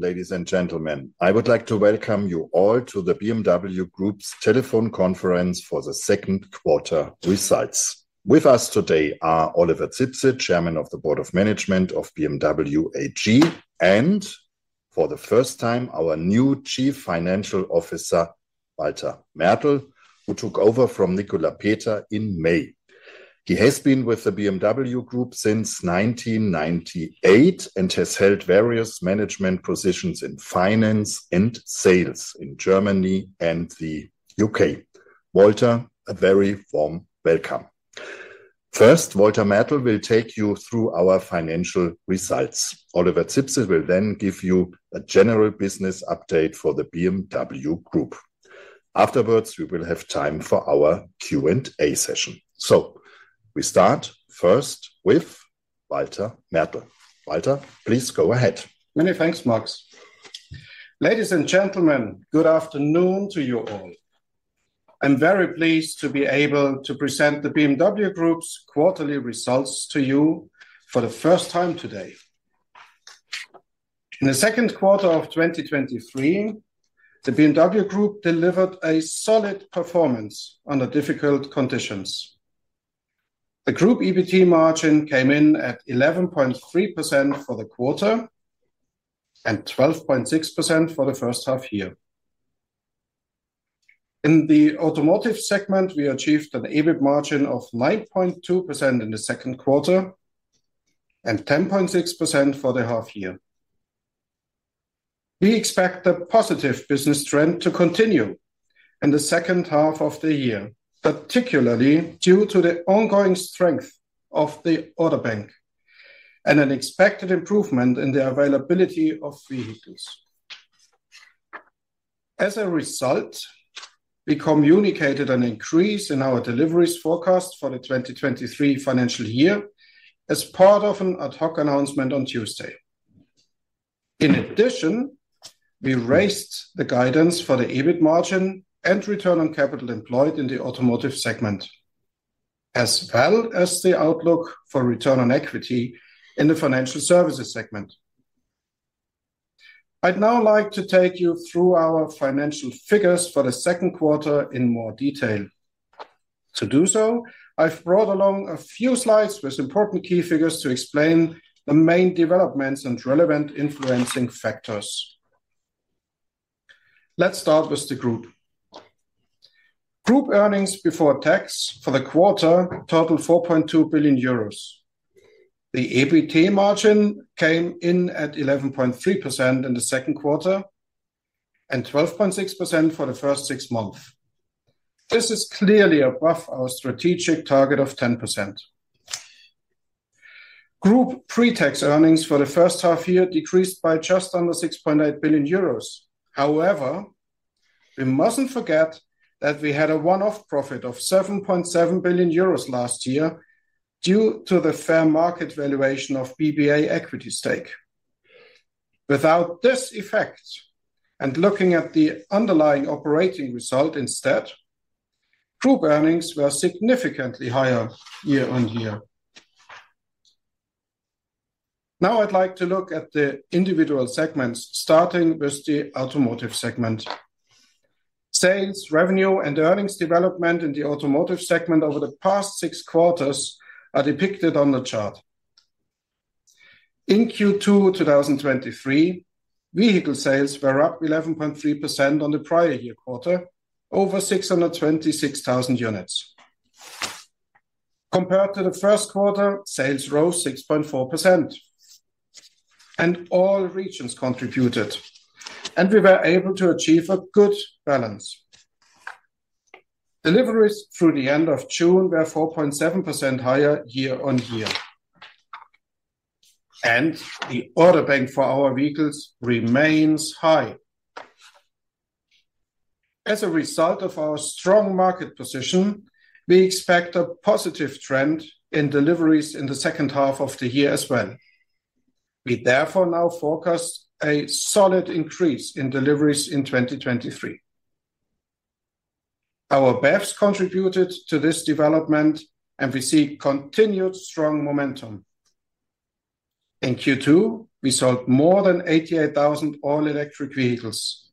Ladies and gentlemen, I would like to welcome you all to the BMW Group's telephone conference for the Q2 results. With us today are Oliver Zipse, Chairman of the Board of Management of BMW AG, and for the first time, our new Chief Financial Officer, Walter Mertl, who took over from Nicolas Peter in May. He has been with the BMW Group since 1998, and has held various management positions in finance and sales in Germany and the U.K. Walter, a very warm welcome. First, Walter Mertl will take you through our financial results. Oliver Zipse will then give you a general business update for the BMW Group. Afterwards, we will have time for our Q&A session. We start first with Walter Mertl. Walter, please go ahead. Many thanks, Max. Ladies and gentlemen, good afternoon to you all. I'm very pleased to be able to present the BMW Group's quarterly results to you for the first time today. In the Q2 of 2023, the BMW Group delivered a solid performance under difficult conditions. The group EBT margin came in at 11.3% for the quarter, and 12.6% for the H1. In the automotive segment, we achieved an EBIT margin of 9.2% in the Q2, and 10.6% for the half year. We expect the positive business trend to continue in the H2 of the year, particularly due to the ongoing strength of the order bank and an expected improvement in the availability of vehicles. As a result, we communicated an increase in our deliveries forecast for the 2023 financial year as part of an ad hoc announcement on Tuesday. In addition, we raised the guidance for the EBIT margin and return on capital employed in the automotive segment, as well as the outlook for return on equity in the financial services segment. I'd now like to take you through our financial figures for the Q2 in more detail. To do so, I've brought along a few slides with important key figures to explain the main developments and relevant influencing factors. Let's start with the group. Group earnings before tax for the quarter totaled 4.2 billion euros. The EBT margin came in at 11.3% in the Q2, and 12.6% for the first six months. This is clearly above our strategic target of 10%. Group pre-tax earnings for the H1 decreased by just under 6.8 billion euros. We mustn't forget that we had a one-off profit of 7.7 billion euros last year due to the fair market valuation of the BBA equity stake. Without this effect, looking at the underlying operating result instead, group earnings were significantly higher year-over-year. I'd like to look at the individual segments, starting with the automotive segment. Sales, revenue, and earnings development in the automotive segment over the past six quarters are depicted on the chart. In Q2 2023, vehicle sales were up 11.3% on the prior year quarter, over 626,000 units. Compared to the Q1, sales rose 6.4%, and all regions contributed, and we were able to achieve a good balance. Deliveries through the end of June were 4.7% higher year-on-year, and the order bank for our vehicles remains high. As a result of our strong market position, we expect a positive trend in deliveries in the H2 of the year as well. We therefore now forecast a solid increase in deliveries in 2023. Our BEVs contributed to this development, and we see continued strong momentum. In Q2, we sold more than 88,000 all-electric vehicles.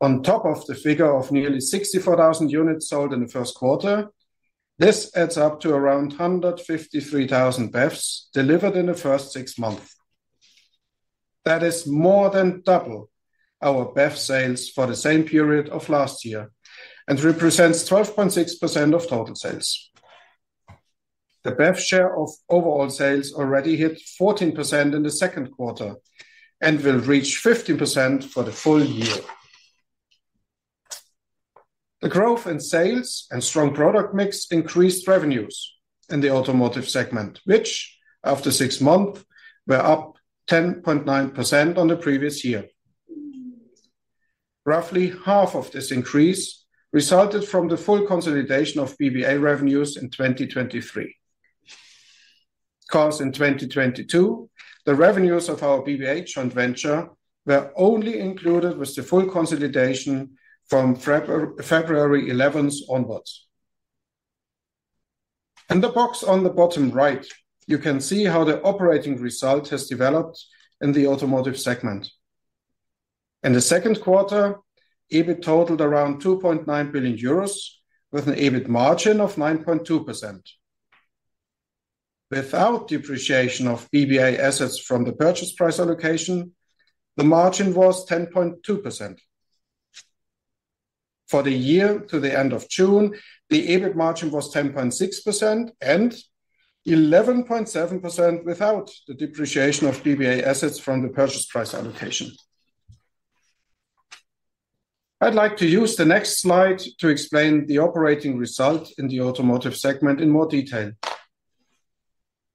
On top of the figure of nearly 64,000 units sold in the Q1, this adds up to around 153,000 BEVs delivered in the first six months. That is more than double our BEV sales for the same period of last year and represents 12.6% of total sales. The BEV share of overall sales already hit 14% in the Q2 and will reach 15% for the full year. The growth in sales and strong product mix increased revenues in the automotive segment, which after six months, were up 10.9% on the previous year. Roughly half of this increase resulted from the full consolidation of BBA revenues in 2023, because in 2022, the revenues of our BBA joint venture were only included with the full consolidation from February 11th onwards. In the box on the bottom right, you can see how the operating result has developed in the automotive segment. In the Q2, EBIT totaled around 2.9 billion euros, with an EBIT margin of 9.2%. Without depreciation of PPA assets from the purchase price allocation, the margin was 10.2%. For the year to the end of June, the EBIT margin was 10.6% and 11.7% without the depreciation of PPA assets from the purchase price allocation. I'd like to use the next slide to explain the operating result in the automotive segment in more detail.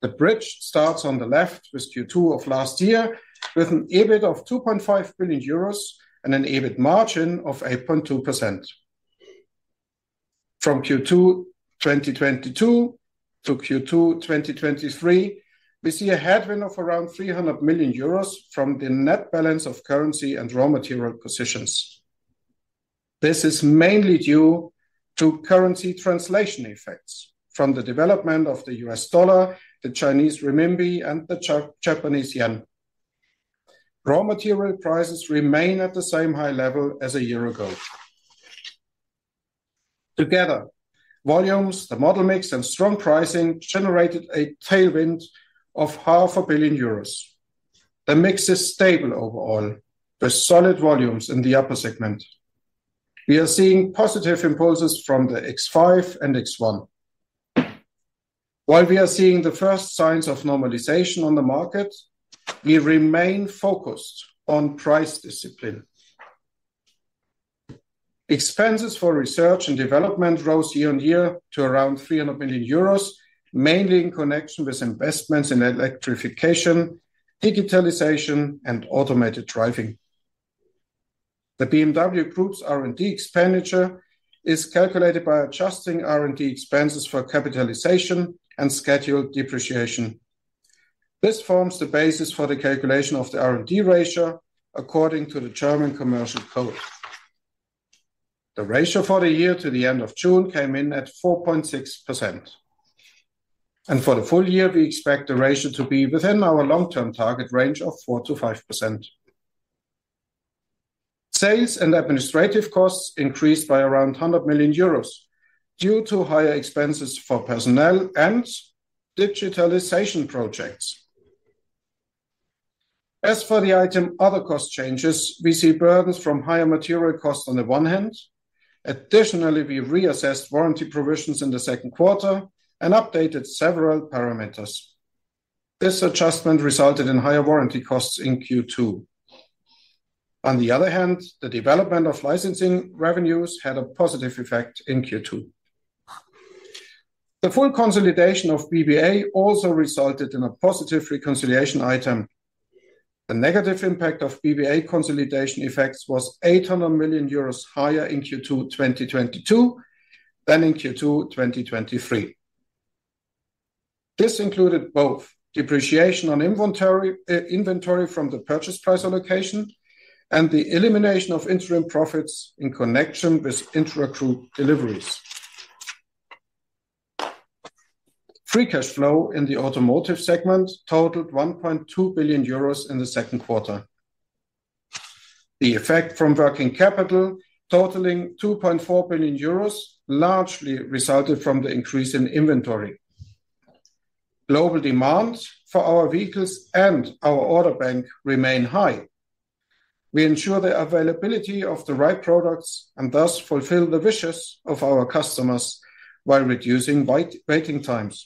The bridge starts on the left with Q2 of last year, with an EBIT of 2.5 billion euros and an EBIT margin of 8.2%. From Q2 2022 to Q2 2023, we see a headwind of around 300 million euros from the net balance of currency and raw material positions. This is mainly due to currency translation effects from the development of the U.S. dollar, the Chinese renminbi, and the Japanese yen. Raw material prices remain at the same high level as a year ago. Together, volumes, the model mix, and strong pricing generated a tailwind of 500 million euros. The mix is stable overall, with solid volumes in the upper segment. We are seeing positive impulses from the X5 and X1. While we are seeing the first signs of normalization on the market, we remain focused on price discipline. Expenses for research and development rose year-over-year to around 300 million euros, mainly in connection with investments in electrification, digitalization, and automated driving. The BMW Group's R&D expenditure is calculated by adjusting R&D expenses for capitalization and scheduled depreciation. This forms the basis for the calculation of the R&D ratio according to the German Commercial Code. The ratio for the year to the end of June came in at 4.6%. For the full year, we expect the ratio to be within our long-term target range of 4%-5%. Sales and administrative costs increased by around 100 million euros due to higher expenses for personnel and digitalization projects. As for the item, other cost changes, we see burdens from higher material costs on the one hand. Additionally, we reassessed warranty provisions in the Q2 and updated several parameters. This adjustment resulted in higher warranty costs in Q2. On the other hand, the development of licensing revenues had a positive effect in Q2. The full consolidation of PPA also resulted in a positive reconciliation item. The negative impact of PPA consolidation effects was 800 million euros higher in Q2 2022 than in Q2 2023. This included both depreciation on inventory, inventory from the purchase price allocation and the elimination of interim profits in connection with intra-group deliveries. Free cash flow in the automotive segment totaled 1.2 billion euros in the Q2. The effect from working capital, totaling 2.4 billion euros, largely resulted from the increase in inventory. Global demand for our vehicles and our order bank remain high. We ensure the availability of the right products and thus fulfill the wishes of our customers while reducing waiting times.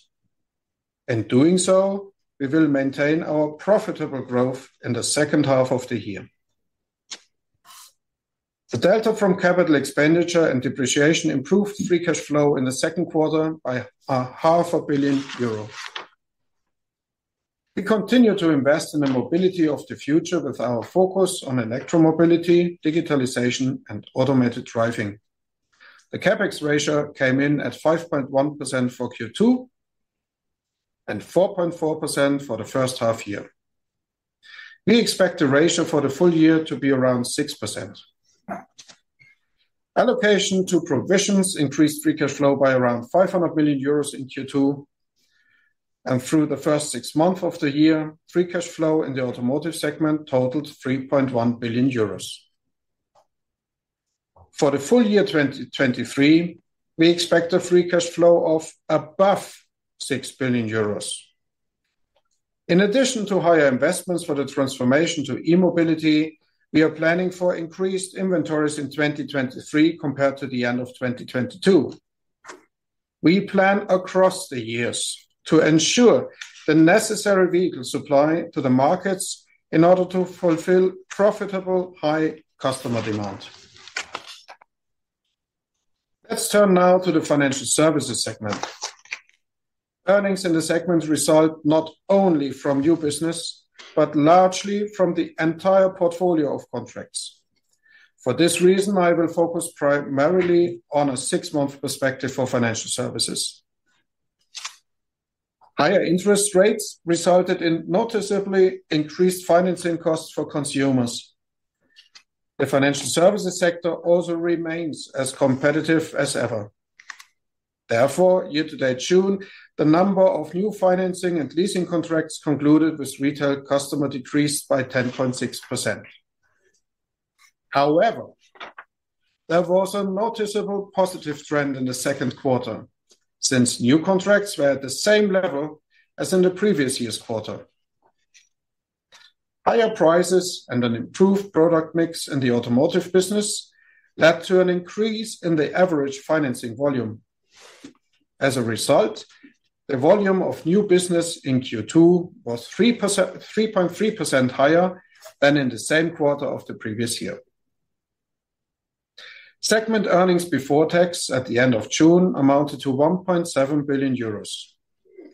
In doing so, we will maintain our profitable growth in the H2 of the year. The delta from capital expenditure and depreciation improved free cash flow in the Q2 by 0.5 billion euro. We continue to invest in the mobility of the future with our focus on electromobility, digitalization, and automated driving. The CapEx ratio came in at 5.1% for Q2 and 4.4% for the H1. We expect the ratio for the full year to be around 6%. Allocation to provisions increased free cash flow by around 500 million euros in Q2, and through the first six months of the year, free cash flow in the automotive segment totaled 3.1 billion euros. For the full year 2023, we expect a free cash flow of above 6 billion euros. In addition to higher investments for the transformation to e-mobility, we are planning for increased inventories in 2023 compared to the end of 2022. We plan across the years to ensure the necessary vehicle supply to the markets in order to fulfill profitable, high customer demand. Let's turn now to the financial services segment. Earnings in the segment result not only from new business, but largely from the entire portfolio of contracts. For this reason, I will focus primarily on a 6-month perspective for financial services. Higher interest rates resulted in noticeably increased financing costs for consumers. The financial services sector also remains as competitive as ever. Therefore, year-to-date June, the number of new financing and leasing contracts concluded with retail customers decreased by 10.6%. However, there was a noticeable positive trend in the Q2, since new contracts were at the same level as in the previous year's quarter. Higher prices and an improved product mix in the automotive business led to an increase in the average financing volume. As a result, the volume of new business in Q2 was 3.3% higher than in the same quarter of the previous year. Segment earnings before tax at the end of June amounted to 1.7 billion euros,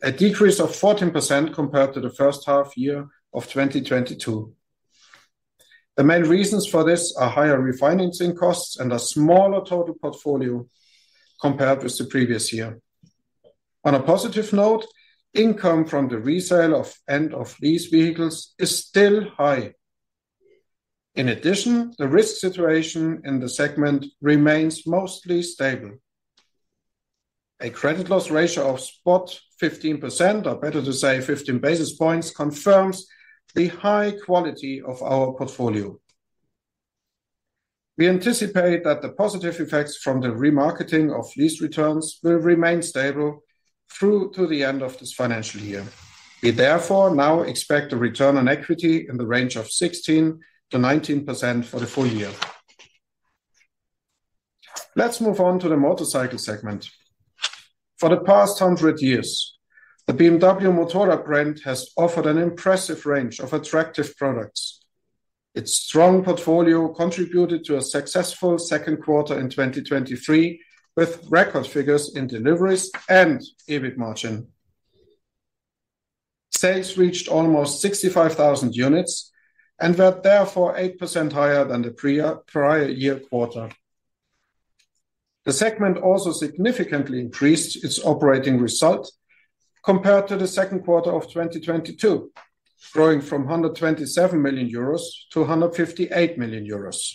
a decrease of 14% compared to the H1 of 2022. The main reasons for this are higher refinancing costs and a smaller total portfolio compared with the previous year. On a positive note, income from the resale of end of lease vehicles is still high. In addition, the risk situation in the segment remains mostly stable. A credit loss ratio of spot 15%, or better to say 15 basis points, confirms the high quality of our portfolio. We anticipate that the positive effects from the remarketing of lease returns will remain stable through to the end of this financial year. We therefore now expect a return on equity in the range of 16%-19% for the full year. Let's move on to the motorcycle segment. For the past 100 years, the BMW Motorrad brand has offered an impressive range of attractive products. Its strong portfolio contributed to a successful Q2 in 2023, with record figures in deliveries and EBIT margin. Sales reached almost 65,000 units and were therefore 8% higher than the prior year quarter. The segment also significantly increased its operating result compared to the Q2 of 2022, growing from 127 million euros to 158 million euros.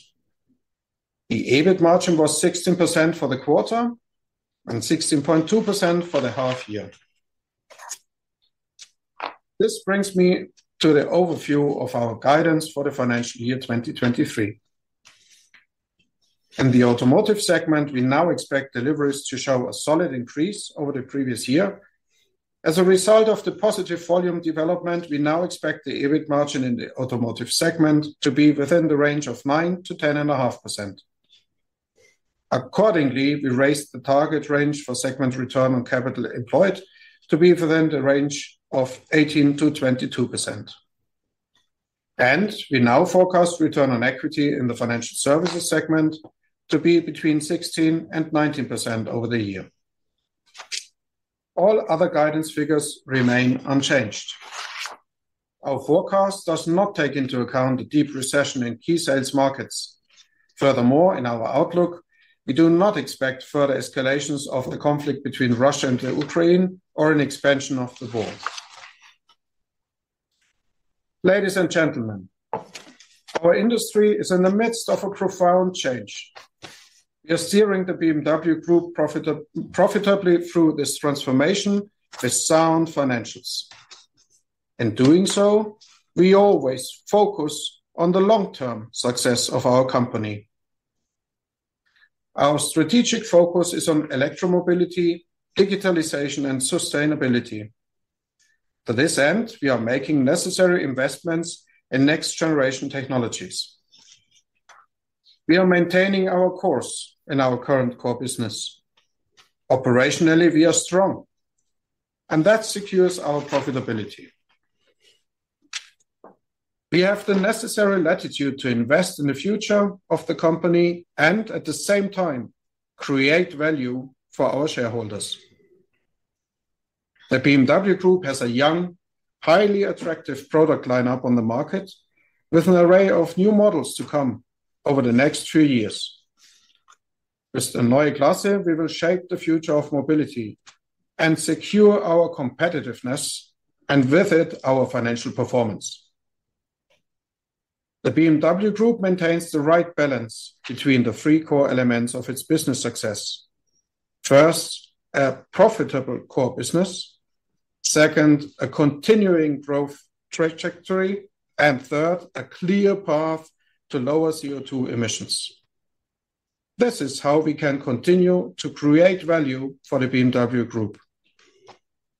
The EBIT margin was 16% for the quarter and 16.2% for the half year. This brings me to the overview of our guidance for the financial year 2023. In the automotive segment, we now expect deliveries to show a solid increase over the previous year. As a result of the positive volume development, we now expect the EBIT margin in the automotive segment to be within the range of 9%-10.5%. Accordingly, we raised the target range for segment return on capital employed to be within the range of 18%-22%. We now forecast return on equity in the financial services segment to be between 16%-19% over the year. All other guidance figures remain unchanged. Our forecast does not take into account the deep recession in key sales markets. Furthermore, in our outlook, we do not expect further escalations of the conflict between Russia and Ukraine or an expansion of the war. Ladies and gentlemen, our industry is in the midst of a profound change. We are steering the BMW Group profitably through this transformation with sound financials. In doing so, we always focus on the long-term success of our company. Our strategic focus is on electromobility, digitalization, and sustainability. To this end, we are making necessary investments in next-generation technologies. We are maintaining our course in our current core business. Operationally, we are strong, and that secures our profitability. We have the necessary latitude to invest in the future of the company and, at the same time, create value for our shareholders. The BMW Group has a young, highly attractive product line-up on the market, with an array of new models to come over the next three years. With the Neue Klasse, we will shape the future of mobility and secure our competitiveness, and with it, our financial performance. The BMW Group maintains the right balance between the three core elements of its business success. First, a profitable core business. Second, a continuing growth trajectory. Third, a clear path to lower CO₂ emissions. This is how we can continue to create value for the BMW Group.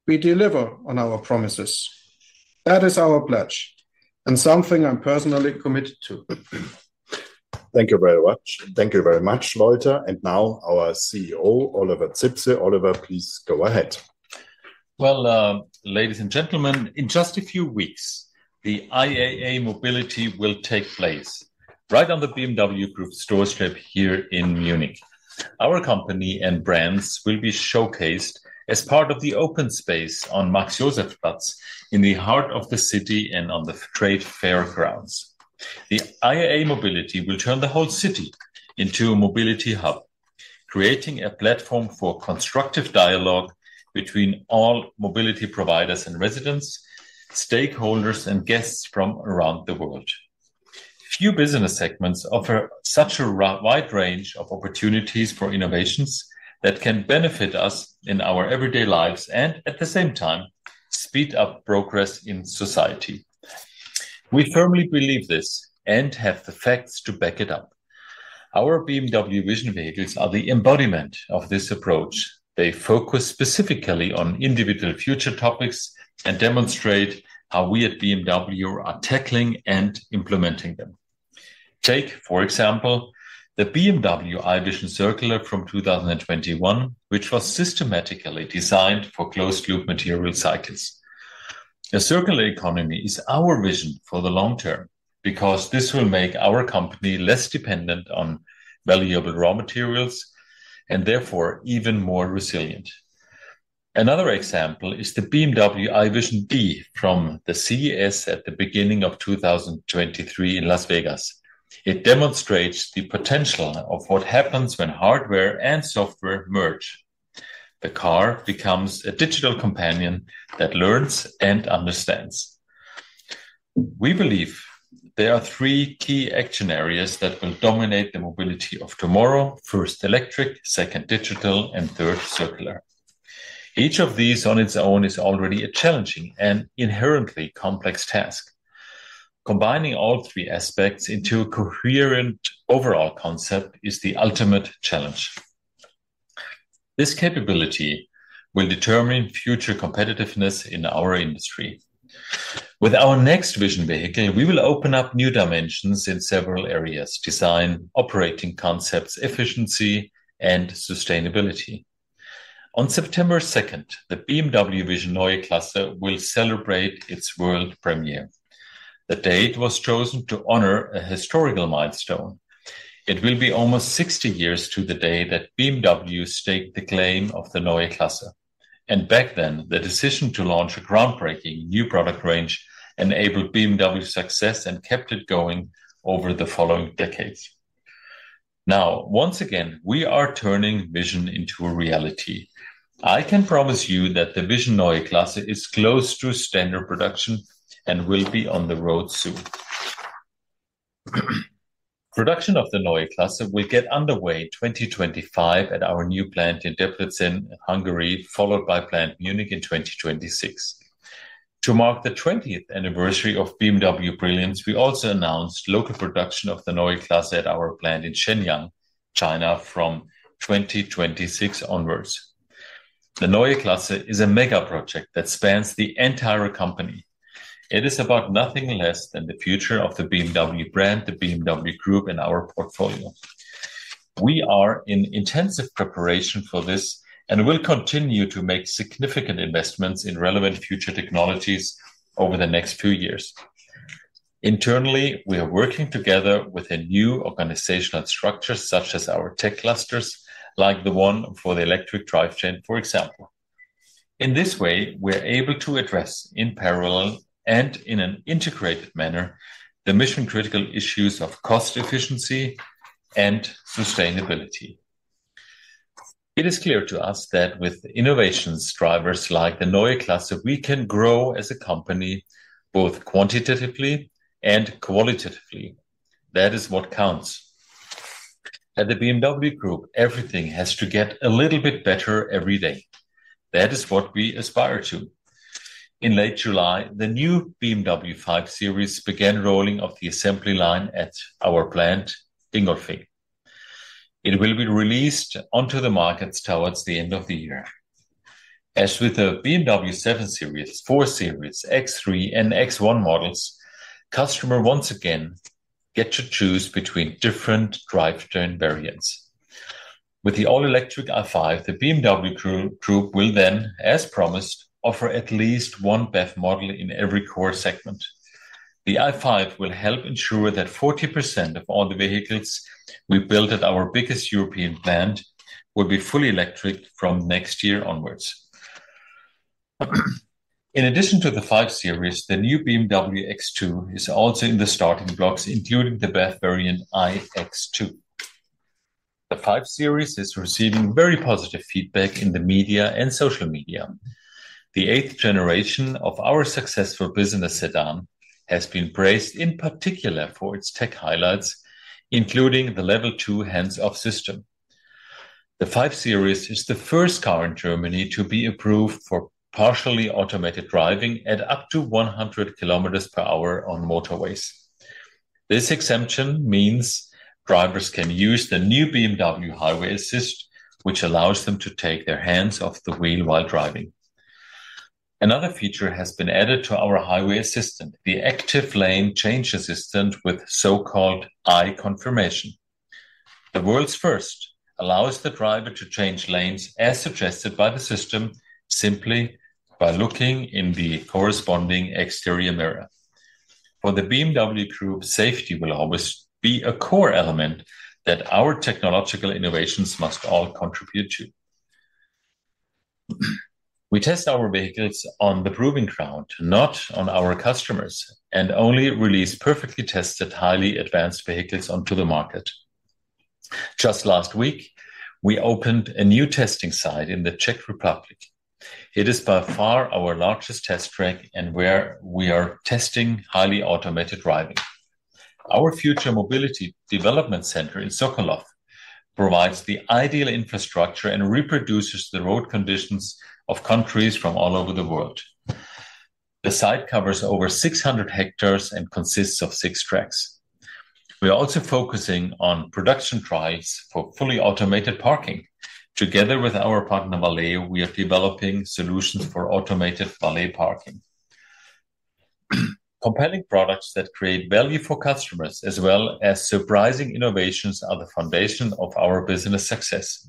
We deliver on our promises. That is our pledge, and something I'm personally committed to. Thank you very much. Thank you very much, Oliver. Now our CEO, Oliver Zipse. Oliver, please go ahead. Well, ladies and gentlemen, in just a few weeks, the IAA Mobility will take place right on the BMW Group store strip here in Munich. Our company and brands will be showcased as part of the open space on Max-Joseph-Platz, in the heart of the city and on the trade fair grounds. The IAA Mobility will turn the whole city into a mobility hub, creating a platform for constructive dialogue between all mobility providers and residents, stakeholders, and guests from around the world. Few business segments offer such a wide range of opportunities for innovations that can benefit us in our everyday lives, and at the same time, speed up progress in society. We firmly believe this and have the facts to back it up. Our BMW Vision vehicles are the embodiment of this approach. They focus specifically on individual future topics and demonstrate how we at BMW are tackling and implementing them. Take, for example, the BMW i Vision Circular from 2021, which was systematically designed for closed-loop material cycles. A circular economy is our vision for the long term, because this will make our company less dependent on valuable raw materials, and therefore, even more resilient. Another example is the BMW i Vision Dee from the CES at the beginning of 2023 in Las Vegas. It demonstrates the potential of what happens when hardware and software merge. The car becomes a digital companion that learns and understands. We believe there are three key action areas that will dominate the mobility of tomorrow: first, electric, second, digital, and third, circular. Each of these on its own is already a challenging and inherently complex task. Combining all three aspects into a coherent overall concept is the ultimate challenge. This capability will determine future competitiveness in our industry. With our next vision vehicle, we will open up new dimensions in several areas: design, operating concepts, efficiency, and sustainability. On September second, the BMW Vision Neue Klasse will celebrate its world premiere. The date was chosen to honor a historical milestone. It will be almost 60 years to the day that BMW staked the claim of the Neue Klasse, and back then, the decision to launch a groundbreaking new product range enabled BMW's success and kept it going over the following decades. Now, once again, we are turning vision into a reality. I can promise you that the Vision Neue Klasse is close to standard production and will be on the road soon. Production of the Neue Klasse will get underway in 2025 at our new plant in Debrecen, Hungary, followed by Plant Munich in 2026. To mark the 20th anniversary of BMW Brilliance, we also announced local production of the Neue Klasse at our plant in Shenyang, China, from 2026 onwards. The Neue Klasse is a mega project that spans the entire company. It is about nothing less than the future of the BMW brand, the BMW Group, and our portfolio. We are in intensive preparation for this and will continue to make significant investments in relevant future technologies over the next few years. Internally, we are working together with a new organizational structure, such as our tech clusters, like the one for the electric drivetrain, for example. In this way, we're able to address, in parallel and in an integrated manner, the mission-critical issues of cost efficiency and sustainability. It is clear to us that with innovations drivers like the Neue Klasse, we can grow as a company, both quantitatively and qualitatively. That is what counts. At the BMW Group, everything has to get a little bit better every day. That is what we aspire to. In late July, the new BMW 5 Series began rolling off the assembly line at our plant, Dingolfing. It will be released onto the markets towards the end of the year. As with the BMW 7 Series, 4 Series, X3, and X1 models, customers once again get to choose between different drivetrain variants. With the all-electric i5, the BMW Group will then, as promised, offer at least one BEV model in every core segment. The i5 will help ensure that 40% of all the vehicles we build at our biggest European plant will be fully electric from next year onwards. In addition to the 5 Series, the new BMW X2 is also in the starting blocks, including the BEV variant, iX2. The 5 Series is receiving very positive feedback in the media and social media. The eighth generation of our successful business sedan has been praised, in particular, for its tech highlights, including the Level 2 hands-off system. The 5 Series is the first car in Germany to be approved for partially automated driving at up to 100 km/h on motorways. This exemption means drivers can use the new BMW Highway Assistant, which allows them to take their hands off the wheel while driving. Another feature has been added to our BMW Highway Assistant, the Active Lane Change Assistant, with so-called eye confirmation. The world's first that allows the driver to change lanes as suggested by the system, simply by looking in the corresponding exterior mirror. For the BMW Group, safety will always be a core element that our technological innovations must all contribute to. We test our vehicles on the proving ground, not on our customers, and only release perfectly tested, highly advanced vehicles onto the market. Just last week, we opened a new testing site in the Czech Republic. It is by far our largest test track, and where we are testing highly automated driving. Our future mobility development center in Sokolov provides the ideal infrastructure and reproduces the road conditions of countries from all over the world. The site covers over 600 hectares and consists of six tracks. We are also focusing on production trials for fully automated parking. Together with our partner, Valeo, we are developing solutions for automated valet parking. Compelling products that create value for customers, as well as surprising innovations, are the foundation of our business success.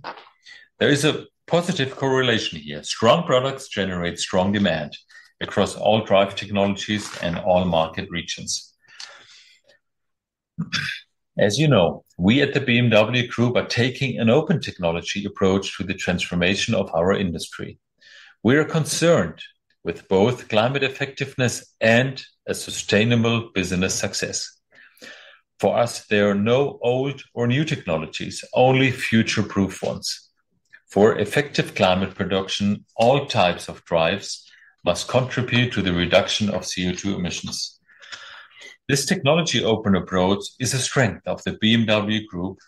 There is a positive correlation here. Strong products generate strong demand across all drive technologies and all market regions. As you know, we at the BMW Group are taking an open technology approach to the transformation of our industry. We are concerned with both climate effectiveness and a sustainable business success. For us, there are no old or new technologies, only future-proof ones. For effective climate production, all types of drives must contribute to the reduction of CO₂ emissions. This technology-open approach is a strength of the BMW Group,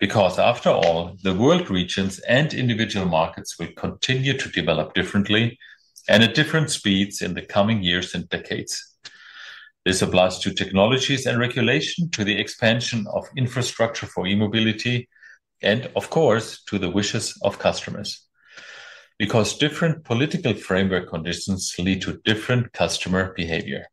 because after all, the world regions and individual markets will continue to develop differently and at different speeds in the coming years and decades. This applies to technologies and regulation, to the expansion of infrastructure for e-mobility, and of course, to the wishes of customers, because different political framework conditions lead to different customer behavior.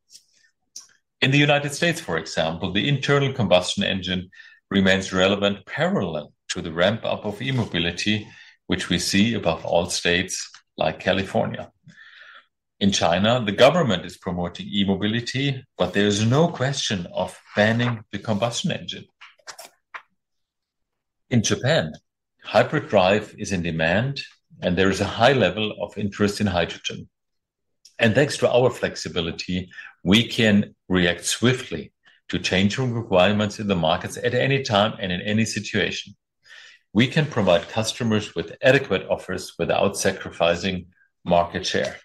In the United States, for example, the internal combustion engine remains relevant parallel to the ramp-up of e-mobility, which we see above all in states like California. In China, the government is promoting e-mobility. There is no question of banning the combustion engine. In Japan, hybrid drive is in demand. There is a high level of interest in hydrogen. Thanks to our flexibility, we can react swiftly to changing requirements in the markets at any time and in any situation. We can provide customers with adequate offers without sacrificing market share.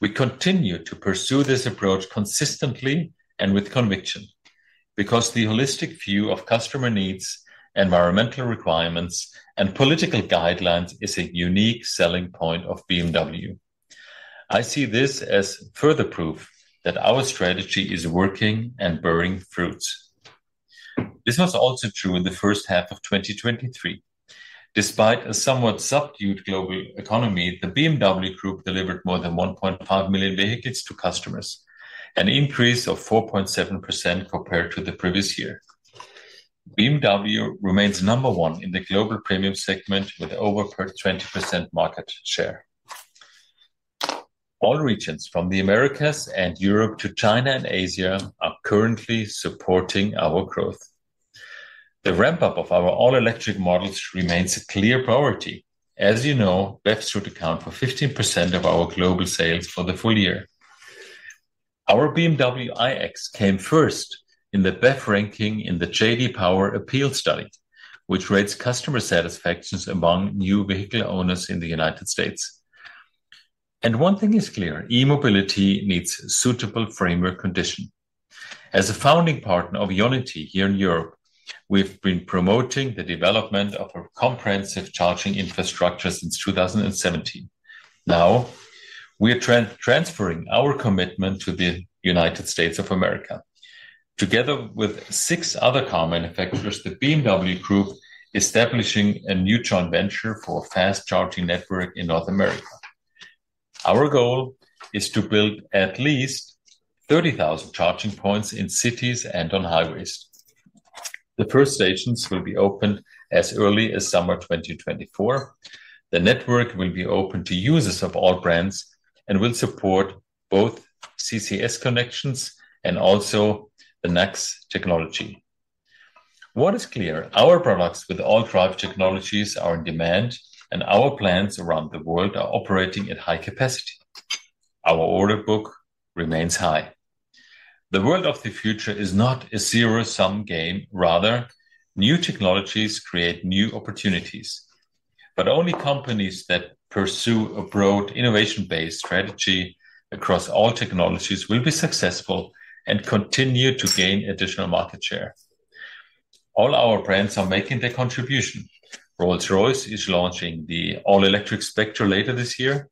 We continue to pursue this approach consistently and with conviction, because the holistic view of customer needs, environmental requirements, and political guidelines is a unique selling point of BMW. I see this as further proof that our strategy is working and bearing fruit. This was also true in the H1 of 2023. Despite a somewhat subdued global economy, the BMW Group delivered more than 1.5 million vehicles to customers, an increase of 4.7% compared to the previous year. BMW remains number one in the global premium segment with over 20% market share. All regions, from the Americas and Europe to China and Asia, are currently supporting our growth. The ramp-up of our all-electric models remains a clear priority. As you know, BEVs should account for 15% of our global sales for the full year. Our BMW iX came first in the BEV ranking in the J.D. Power APEAL Study, which rates customer satisfactions among new vehicle owners in the United States. One thing is clear, e-mobility needs suitable framework conditions. As a founding partner of IONITY here in Europe, we've been promoting the development of a comprehensive charging infrastructure since 2017. Now, we are transferring our commitment to the United States of America. Together with six other car manufacturers, the BMW Group is establishing a new joint venture for a fast charging network in North America. Our goal is to build at least 30,000 charging points in cities and on highways. The first stations will be opened as early as summer 2024. The network will be open to users of all brands and will support both CCS connections and also the NACS technology. What is clear, our products with all drive technologies are in demand, and our plants around the world are operating at high capacity. Our order book remains high. The world of the future is not a zero-sum game, rather, new technologies create new opportunities. Only companies that pursue a broad, innovation-based strategy across all technologies will be successful and continue to gain additional market share. All our brands are making their contribution. Rolls-Royce is launching the all-electric Spectre later this year.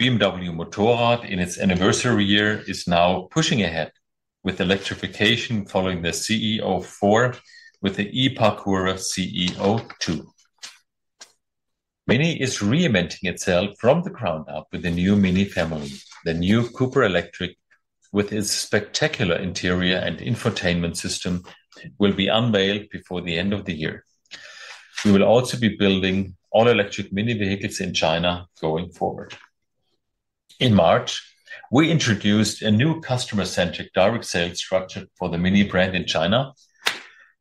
BMW Motorrad, in its anniversary year, is now pushing ahead with electrification following the CE 04 with the eParkourer CE 02. MINI is reinventing itself from the ground up with the new MINI family. The new MINI Cooper Electric, with its spectacular interior and infotainment system, will be unveiled before the end of the year. We will also be building all-electric MINI vehicles in China going forward. In March, we introduced a new customer-centric direct sales structure for the MINI brand in China.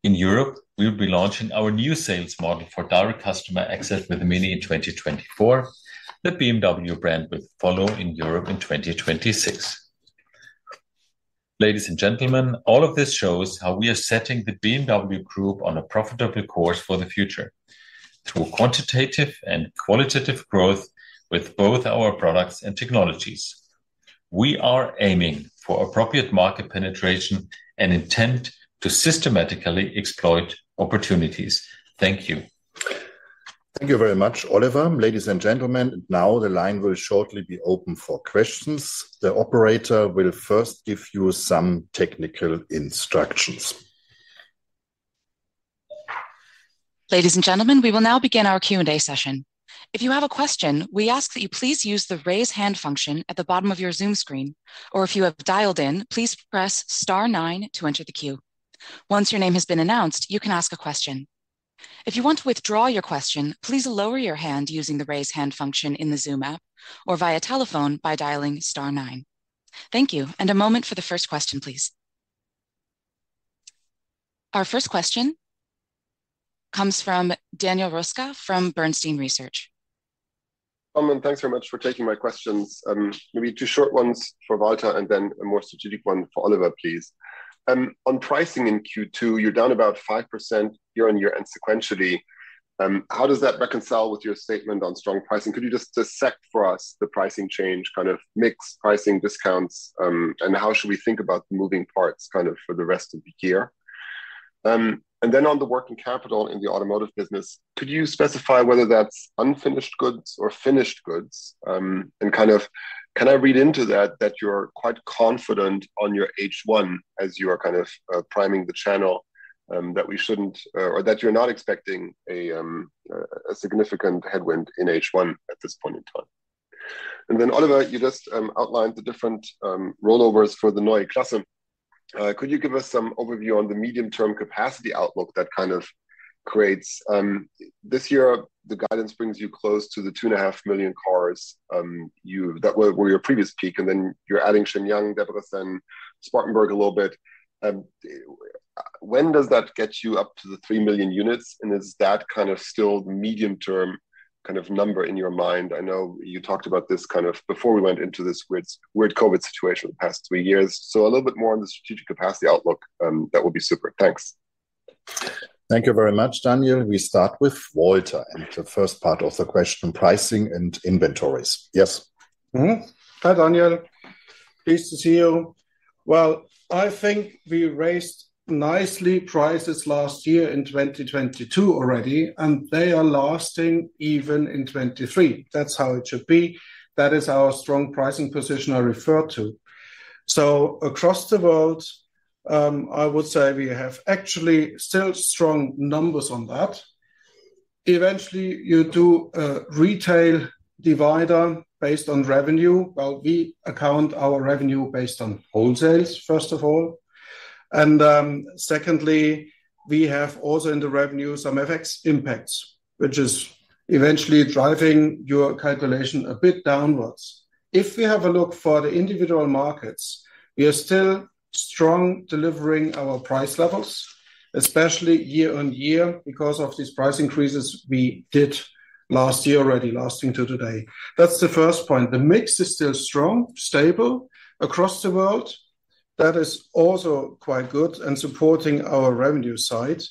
In Europe, we'll be launching our new sales model for direct customer access with the MINI in 2024. The BMW brand will follow in Europe in 2026. Ladies and gentlemen, all of this shows how we are setting the BMW Group on a profitable course for the future through quantitative and qualitative growth with both our products and technologies. We are aiming for appropriate market penetration and intent to systematically exploit opportunities. Thank you. Thank you very much, Oliver. Ladies and gentlemen, now the line will shortly be open for questions. The operator will first give you some technical instructions. Ladies and gentlemen, we will now begin our Q&A session. If you have a question, we ask that you please use the Raise Hand function at the bottom of your Zoom screen, or if you have dialed in, please press star nine to enter the queue. Once your name has been announced, you can ask a question. If you want to withdraw your question, please lower your hand using the Raise Hand function in the Zoom app or via telephone by dialing star nine. Thank you, and a moment for the first question, please. Our first question comes from Daniel Roeska from Bernstein Research. Thanks very much for taking my questions. Maybe two short ones for Walter and then a more strategic one for Oliver, please. On pricing in Q2, you're down about 5% year-over-year and sequentially. How does that reconcile with your statement on strong pricing? Could you just dissect for us the pricing change, kind of mix pricing discounts, and how should we think about the moving parts kind of for the rest of the year? And then on the working capital in the automotive business, could you specify whether that's unfinished goods or finished goods? And kind of, can I read into that, that you're quite confident on your H1 as you are kind of, priming the channel, that we shouldn't or that you're not expecting a, a significant headwind in H1 at this point in time? Oliver, you just outlined the different rollovers for the Neue Klasse. Could you give us some overview on the medium-term capacity outlook that kind of creates? This year, the guidance brings you close to the 2.5 million cars that were your previous peak, and then you're adding Shenyang, Debrecen, Spartanburg a little bit. When does that get you up to the 3 million units, and is that kind of still medium-term kind of number in your mind? I know you talked about this kind of before we went into this weird COVID situation the past three years. A little bit more on the strategic capacity outlook that would be super. Thanks. Thank you very much, Daniel. We start with Walter and the first part of the question, pricing and inventories. Yes? Mm-hmm. Hi, Daniel Roeska. Pleased to see you. Well, I think we raised nicely prices last year in 2022 already, and they are lasting even in 2023. That's how it should be. That is our strong pricing position I referred to. Across the world, I would say we have actually still strong numbers on that. Eventually, you do a retail divisor based on revenue. Well, we account our revenue based on wholesales, first of all, and, secondly, we have also in the revenue some FX impacts, which is eventually driving your calculation a bit downwards. If we have a look for the individual markets, we are still strong delivering our price levels, especially year-on-year, because of these price increases we did last year already, lasting until today. That's the first point. The mix is still strong, stable across the world. That is also quite good and supporting our revenue side.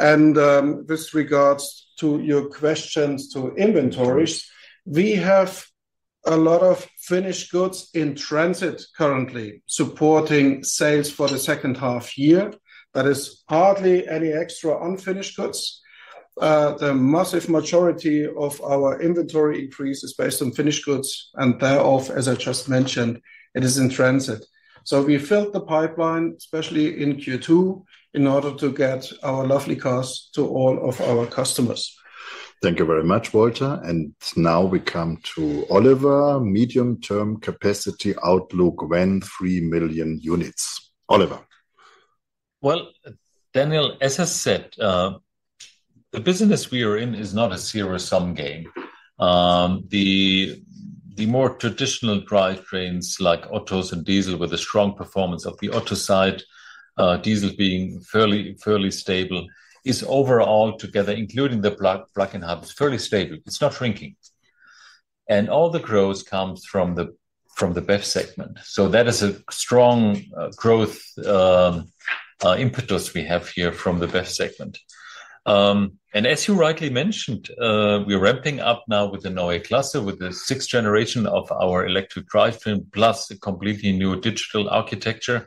With regards to your questions to inventories, we have a lot of finished goods in transit currently, supporting sales for the H2. That is hardly any extra unfinished goods. The massive majority of our inventory increase is based on finished goods, and thereof, as I just mentioned, it is in transit. We filled the pipeline, especially in Q2, in order to get our lovely cars to all of our customers. Thank you very much, Walter. Now we come to Oliver. Medium-term capacity outlook, when 3 million units? Oliver. Well, Daniel, as I said, the business we are in is not a zero-sum game. The more traditional drivetrains like otto and diesel, with a strong performance of the auto side, diesel being fairly, fairly stable, is overall together, including the plug-in hybrid, is fairly stable. It's not shrinking. All the growth comes from the BEV segment. So that is a strong growth impetus we have here from the BEV segment. As you rightly mentioned, we're ramping up now with the Neue Klasse, with the 6th generation of our electric drivetrain, plus a completely new digital architecture.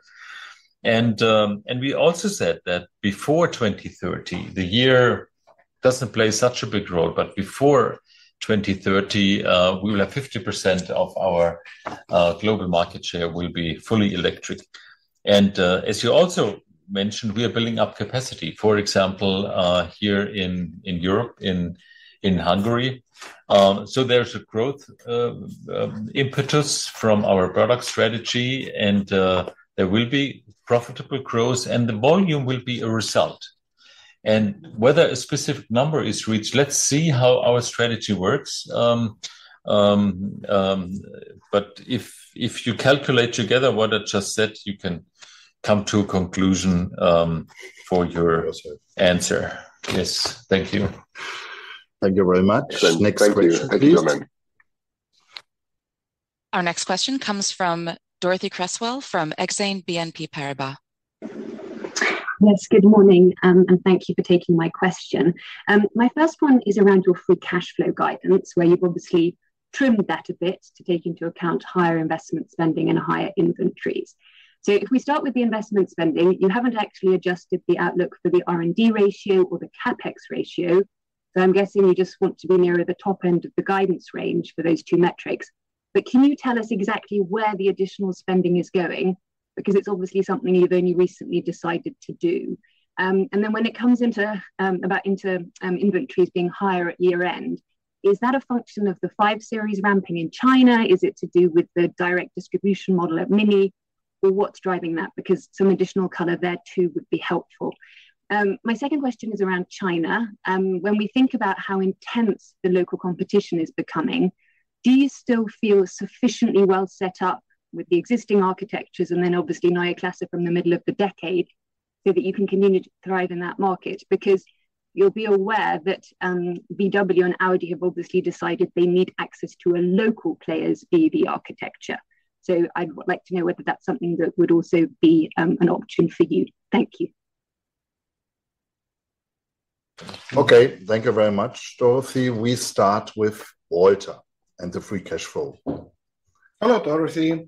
We also said that before 2030, the year doesn't play such a big role, but before 2030, we will have 50% of our global market share will be fully electric. As you also mentioned, we are building up capacity, for example, here in, in Europe, in, in Hungary. So there's a growth impetus from our product strategy, and there will be profitable growth, and the volume will be a result. Whether a specific number is reached, let's see how our strategy works. If, if you calculate together what I just said, you can come to a conclusion for your answer. Yes. Thank you. Thank you very much. Next question, please. Thank you, gentlemen. Our next question comes from Dorothee Cresswell, from Exane BNP Paribas. Yes, good morning, thank you for taking my question. My first one is around your free cash flow guidance, where you've obviously trimmed that a bit to take into account higher investment spending and higher inventories. If we start with the investment spending, you haven't actually adjusted the outlook for the R&D ratio or the CapEx ratio, so I'm guessing you just want to be nearer the top end of the guidance range for those two metrics. Can you tell us exactly where the additional spending is going? Because it's obviously something you've only recently decided to do. Then when it comes into, inventories being higher at year-end, is that a function of the 5 Series ramping in China? Is it to do with the direct distribution model at MINI, or what's driving that? Because some additional color there, too, would be helpful. My second question is around China. When we think about how intense the local competition is becoming, do you still feel sufficiently well set up with the existing architectures and then obviously Neue Klasse from the middle of the decade, so that you can continue to thrive in that market? Because you'll be aware that VW and Audi have obviously decided they need access to a local player's EV architecture. So I'd like to know whether that's something that would also be an option for you. Thank you. Okay. Thank you very much, Dorothee. We start with Walter and the free cash flow. Hello, Dorothee.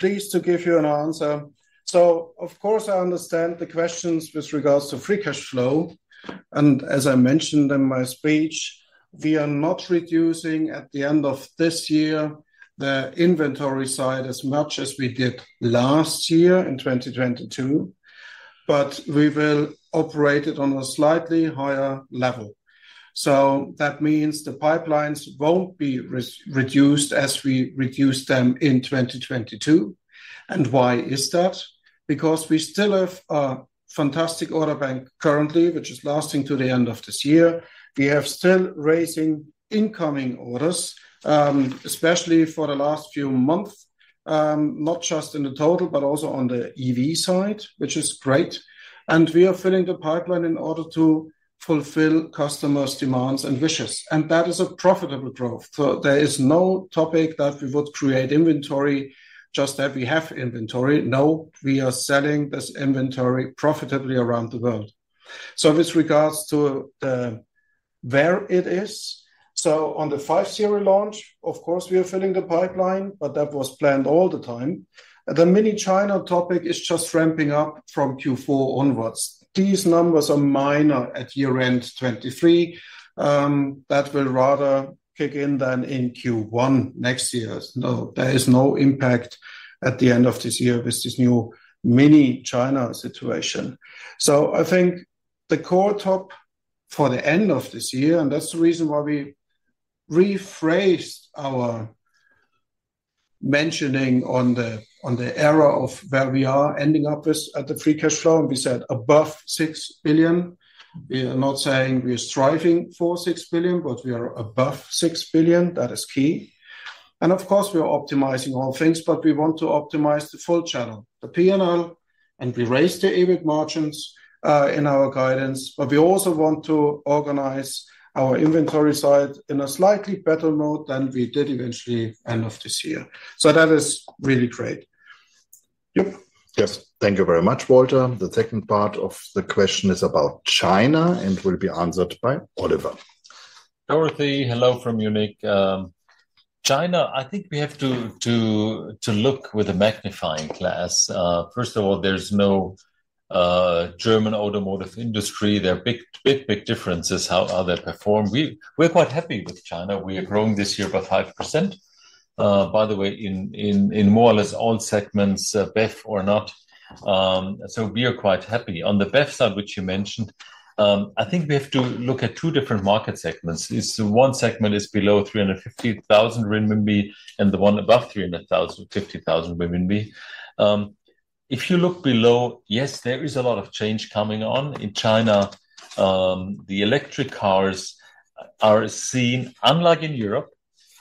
Pleased to give you an answer. Of course, I understand the questions with regards to free cash flow, and as I mentioned in my speech, we are not reducing at the end of this year the inventory side as much as we did last year in 2022, but we will operate it on a slightly higher level. That means the pipelines won't be reduced as we reduced them in 2022. Why is that? Because we still have a fantastic order bank currently, which is lasting to the end of this year. We have still raising incoming orders, especially for the last few months, not just in the total, but also on the EV side, which is great. We are filling the pipeline in order to fulfill customers' demands and wishes, and that is a profitable growth. There is no topic that we would create inventory, just that we have inventory. No, we are selling this inventory profitably around the world. With regards to the, where it is, on the BMW 5 Series launch, of course, we are filling the pipeline, but that was planned all the time. The MINI China topic is just ramping up from Q4 onwards. These numbers are minor at year-end 2023. That will rather kick in than in Q1 next year. No, there is no impact at the end of this year with this new MINI China situation. I think the core top for the end of this year, and that's the reason why we rephrased our mentioning on the, on the era of where we are ending up with at the free cash flow, and we said above 6 billion. We are not saying we are striving for 6 billion, but we are above 6 billion. That is key. Of course, we are optimizing all things, but we want to optimize the full channel, the PNL, and we raised the EBIT margins in our guidance, but we also want to organize our inventory side in a slightly better mode than we did eventually end of this year. That is really great. Yep. Yes. Thank you very much, Walter. The second part of the question is about China and will be answered by Oliver. Dorothee, hello from Munich. China, I think we have to look with a magnifying glass. First of all, there's no German automotive industry. There are big, big, big differences how they perform. We're quite happy with China. We are growing this year by 5%, by the way, in more or less all segments, BEV or not. We are quite happy. On the BEV side, which you mentioned, I think we have to look at two different market segments. One segment is below 350,000 renminbi, and the one above 300,000, 50,000 renminbi. If you look below, yes, there is a lot of change coming on in China. The electric cars are seen, unlike in Europe,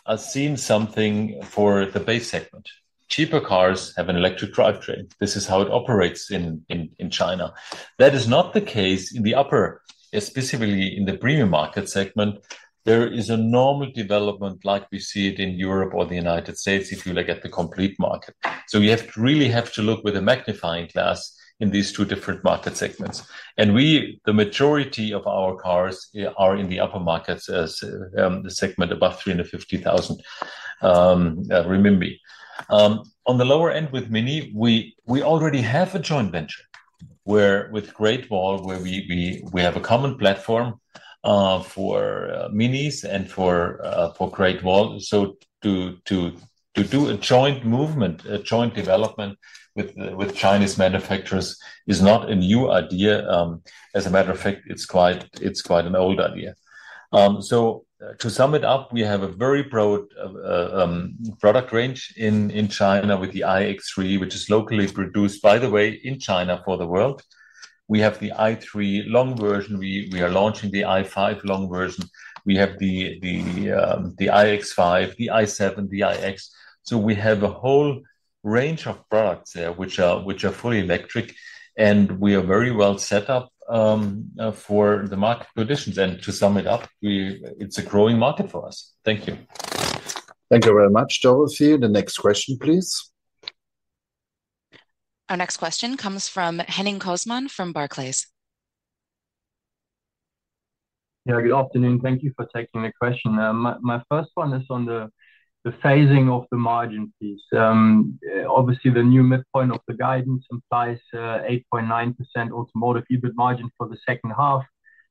are seen something for the base segment. Cheaper cars have an electric drivetrain. This is how it operates in China. That is not the case in the upper, especially in the premium market segment. There is a normal development like we see it in Europe or the United States, if you look at the complete market. We really have to look with a magnifying glass in these two different market segments. The majority of our cars are in the upper markets as the segment above 350,000 RMB. On the lower end, with MINI, we already have a joint venture- where with Great Wall, where we have a common platform for MINI and for Great Wall. To do a joint movement, a joint development with Chinese manufacturers is not a new idea. As a matter of fact, it's quite, it's quite an old idea. To sum it up, we have a very broad product range in China with the iX3, which is locally produced, by the way, in China for the world. We have the i3 long version. We are launching the i5 long version. We have the iX5, the i7, the iX. We have a whole range of products there, which are fully electric, and we are very well set up for the market conditions. To sum it up, it's a growing market for us. Thank you. Thank you very much, Dorothee. The next question, please. Our next question comes from Henning Cosman from Barclays. Yeah, good afternoon. Thank you for taking the question. My first one is on the phasing of the margin piece. Obviously, the new midpoint of the guidance implies 8.9% automotive EBIT margin for the H2,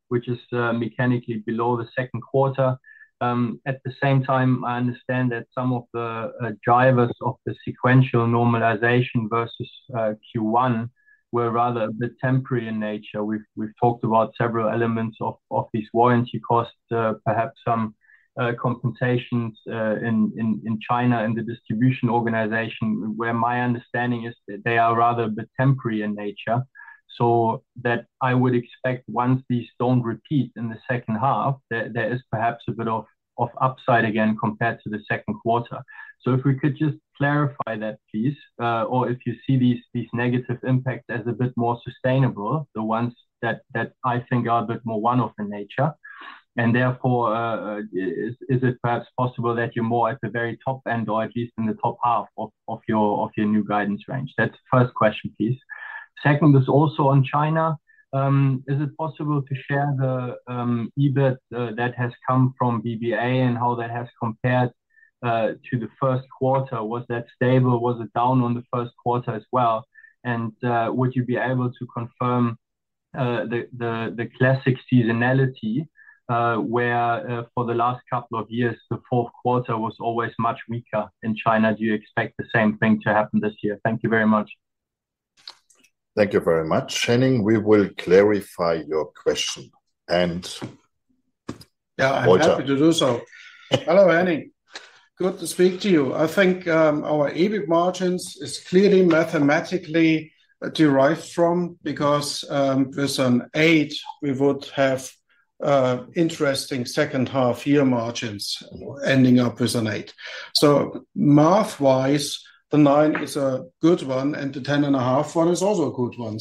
which is mechanically below the Q2. At the same time, I understand that some of the drivers of the sequential normalization versus Q1 were rather a bit temporary in nature. We've talked about several elements of these warranty costs, perhaps some compensations in China, in the distribution organization, where my understanding is that they are rather a bit temporary in nature. I would expect once these don't repeat in the H2, there is perhaps a bit of upside again compared to the Q2. If we could just clarify that, please, or if you see these, these negative impacts as a bit more sustainable, the ones that, that I think are a bit more one-off in nature, and therefore, is it perhaps possible that you're more at the very top end, or at least in the top half of, of your, of your new guidance range? That's the 1st question, please. Second is also on China. Is it possible to share the EBIT that has come from BBA and how that has compared to the Q1? Was that stable? Was it down on the Q1 as well? And would you be able to confirm the classic seasonality where for the last couple of years, the Q4 was always much weaker in China? Do you expect the same thing to happen this year? Thank you very much. Thank you very much, Henning. We will clarify your question. Yeah, Walter. I'm happy to do so. Hello, Henning. Good to speak to you. I think, our EBIT margin is clearly mathematically derived from, because, with an 8, we would have, interesting H2 margins ending up with an eight. Math-wise, the nine is a good one, and the 10.5 one is also a good one.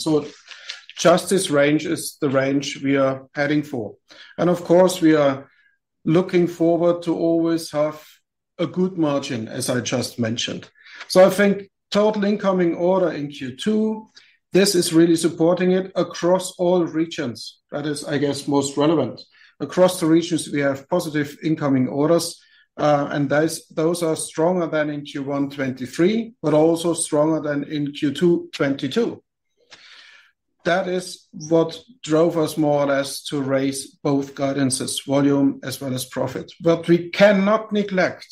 Just this range is the range we are heading for. Of course, we are looking forward to always have a good margin, as I just mentioned. I think total incoming order in Q2, this is really supporting it across all regions. That is, I guess, most relevant. Across the regions, we have positive incoming orders, and those, those are stronger than in Q1 2023, but also stronger than in Q2 2022. That is what drove us more or less to raise both guidances, volume as well as profit. We cannot neglect,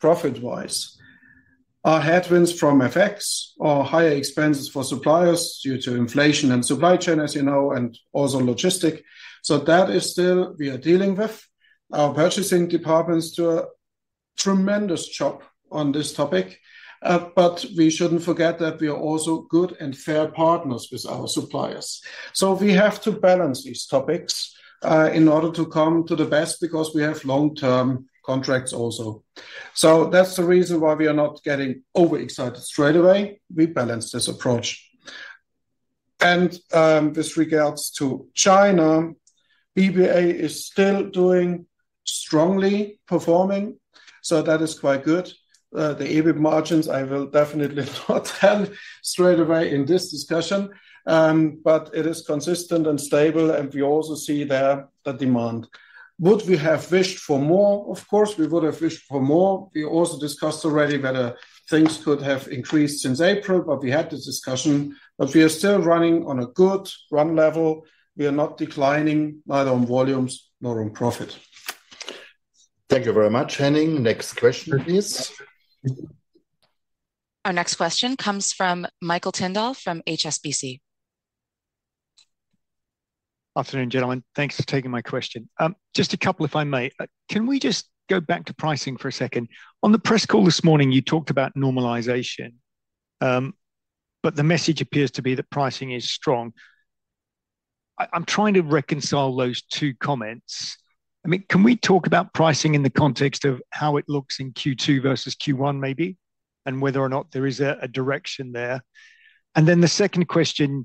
profit-wise, our headwinds from FX or higher expenses for suppliers due to inflation and supply chain, as you know, and also logistics. That is still we are dealing with. Our purchasing departments do a tremendous job on this topic, but we shouldn't forget that we are also good and fair partners with our suppliers. We have to balance these topics in order to come to the best because we have long-term contracts also. That's the reason why we are not getting overexcited straight away. We balance this approach. With regards to China, BBA is still doing strongly performing, so that is quite good. The EBIT margins, I will definitely not tell straight away in this discussion, but it is consistent and stable, and we also see there the demand. Would we have wished for more? Of course, we would have wished for more. We also discussed already that things could have increased since April, but we had this discussion. We are still running on a good run level. We are not declining neither on volumes nor on profit. Thank you very much, Henning. Next question, please. Our next question comes from Michael Tyndall, from HSBC. Afternoon, gentlemen. Thanks for taking my question. Just a couple, if I may. Can we just go back to pricing for a second? On the press call this morning, you talked about normalization, but the message appears to be that pricing is strong. I'm trying to reconcile those two comments. Can we talk about pricing in the context of how it looks in Q2 versus Q1, maybe, and whether or not there is a direction there? The second question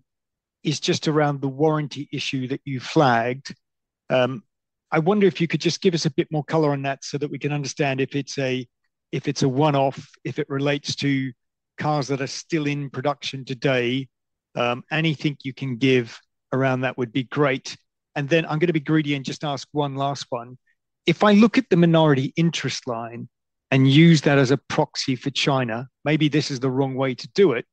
is just around the warranty issue that you flagged. I wonder if you could just give us a bit more color on that so that we can understand if it's a one-off, if it relates to cars that are still in production today. Anything you can give around that would be great. Then I'm gonna be greedy and just ask one last one. If I look at the minority interest line and use that as a proxy for China, maybe this is the wrong way to do it,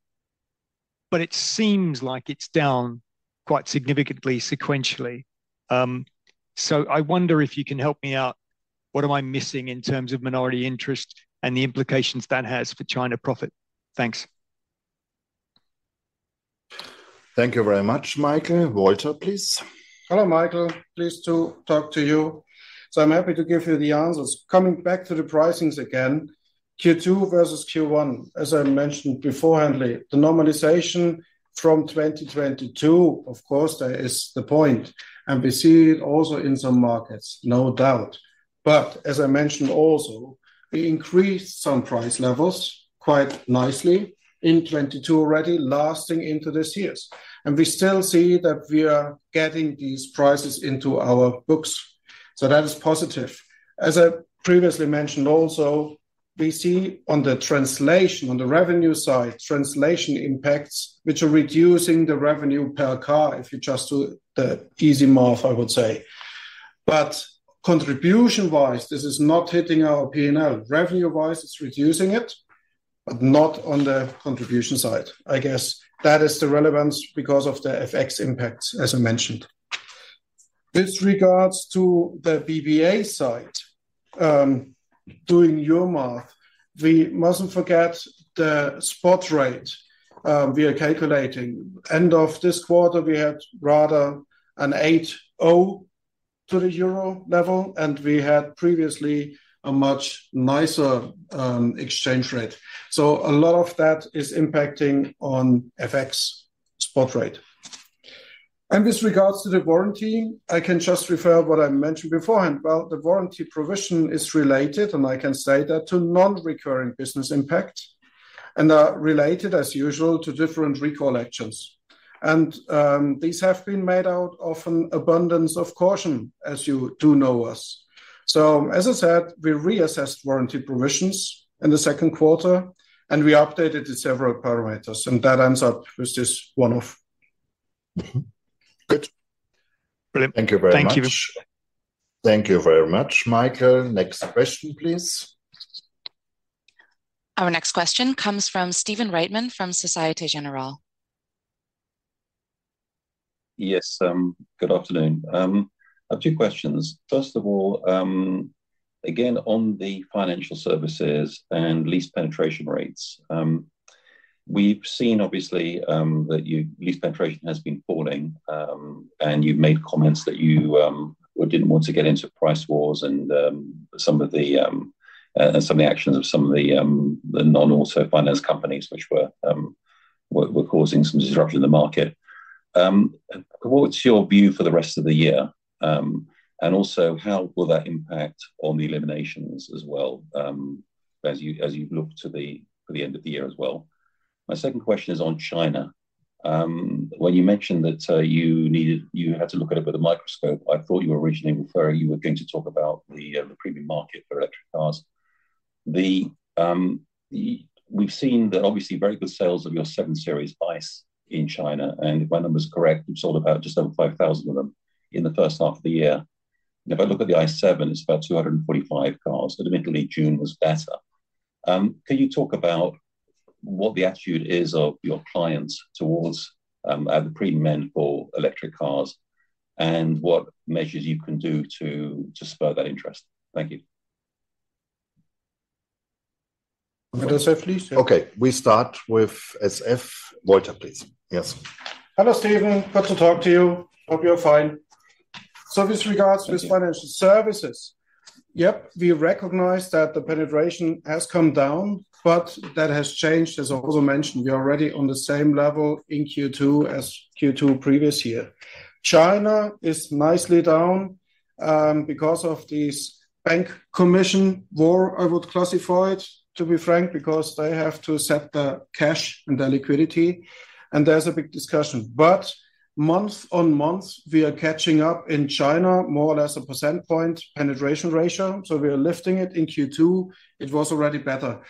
but it seems like it's down quite significantly sequentially. I wonder if you can help me out. What am I missing in terms of minority interest and the implications that has for China profit? Thanks. Thank you very much, Michael. Walter, please. Hello, Michael. Pleased to talk to you, I'm happy to give you the answers. Coming back to the pricings again, Q2 versus Q1, as I mentioned beforehand, the normalization from 2022, of course, that is the point. We see it also in some markets, no doubt. As I mentioned also, we increased some price levels quite nicely in 2022 already lasting into this years. We still see that we are getting these prices into our books. That is positive. As I previously mentioned also, we see on the translation, on the revenue side, translation impacts, which are reducing the revenue per car, if you just do the easy math, I would say. Contribution-wise, this is not hitting our P&L. Revenue-wise, it's reducing it, but not on the contribution side. I guess that is the relevance because of the FX impacts, as I mentioned. With regards to the BBA side, doing your math, we mustn't forget the spot rate we are calculating. End of this quarter, we had rather an 8.0 to the EUR level, and we had previously a much nicer exchange rate. A lot of that is impacting on FX spot rate. With regards to the warranty, I can just refer what I mentioned beforehand. Well, the warranty provision is related, and I can say that to non-recurring business impact, and are related, as usual, to different recall actions. These have been made out of an abundance of caution, as you do know us. As I said, we reassessed warranty provisions in the Q2, and we updated several parameters, and that ends up with this one-off. Good. Brilliant. Thank you very much. Thank you. Thank you very much, Michael. Next question, please. Our next question comes from Stephen Reitman from Société Générale. Yes, good afternoon. I have two questions. First of all, again, on the financial services and lease penetration rates, we've seen obviously, that you lease penetration has been falling, and you've made comments that you didn't want to get into price wars and some of the actions of some of the non-auto finance companies, which were causing some disruption in the market. What's your view for the rest of the year? Also, how will that impact on the eliminations as well, as you look to the end of the year as well? My second question is on China. When you mentioned that, you had to look at it with a microscope, I thought you were originally referring, you were going to talk about the premium market for electric cars. We've seen the obviously very good sales of your 7 Series ICE in China, if my number is correct, you've sold about just over 5,000 of them in the H1 of the year. If I look at the i7, it's about 245 cars. Admittedly, June was better. Can you talk about what the attitude is of your clients towards the premium end for electric cars and what measures you can do to spur that interest? Thank you. SF, please. Okay, we start with SF. Walter, please. Yes. Hello, Stephen. Good to talk to you. Hope you're fine. With regards to this financial services, yep, we recognize that the penetration has come down, but that has changed. As also mentioned, we are already on the same level in Q2 as Q2 previous year. China is nicely down, because of this bank commission war, I would classify it, to be frank, because they have to accept the cash and the liquidity, and there's a big discussion. Month-on-month, we are catching up in China, more or less 1% point penetration ratio, so we are lifting it. In Q2, it was already better.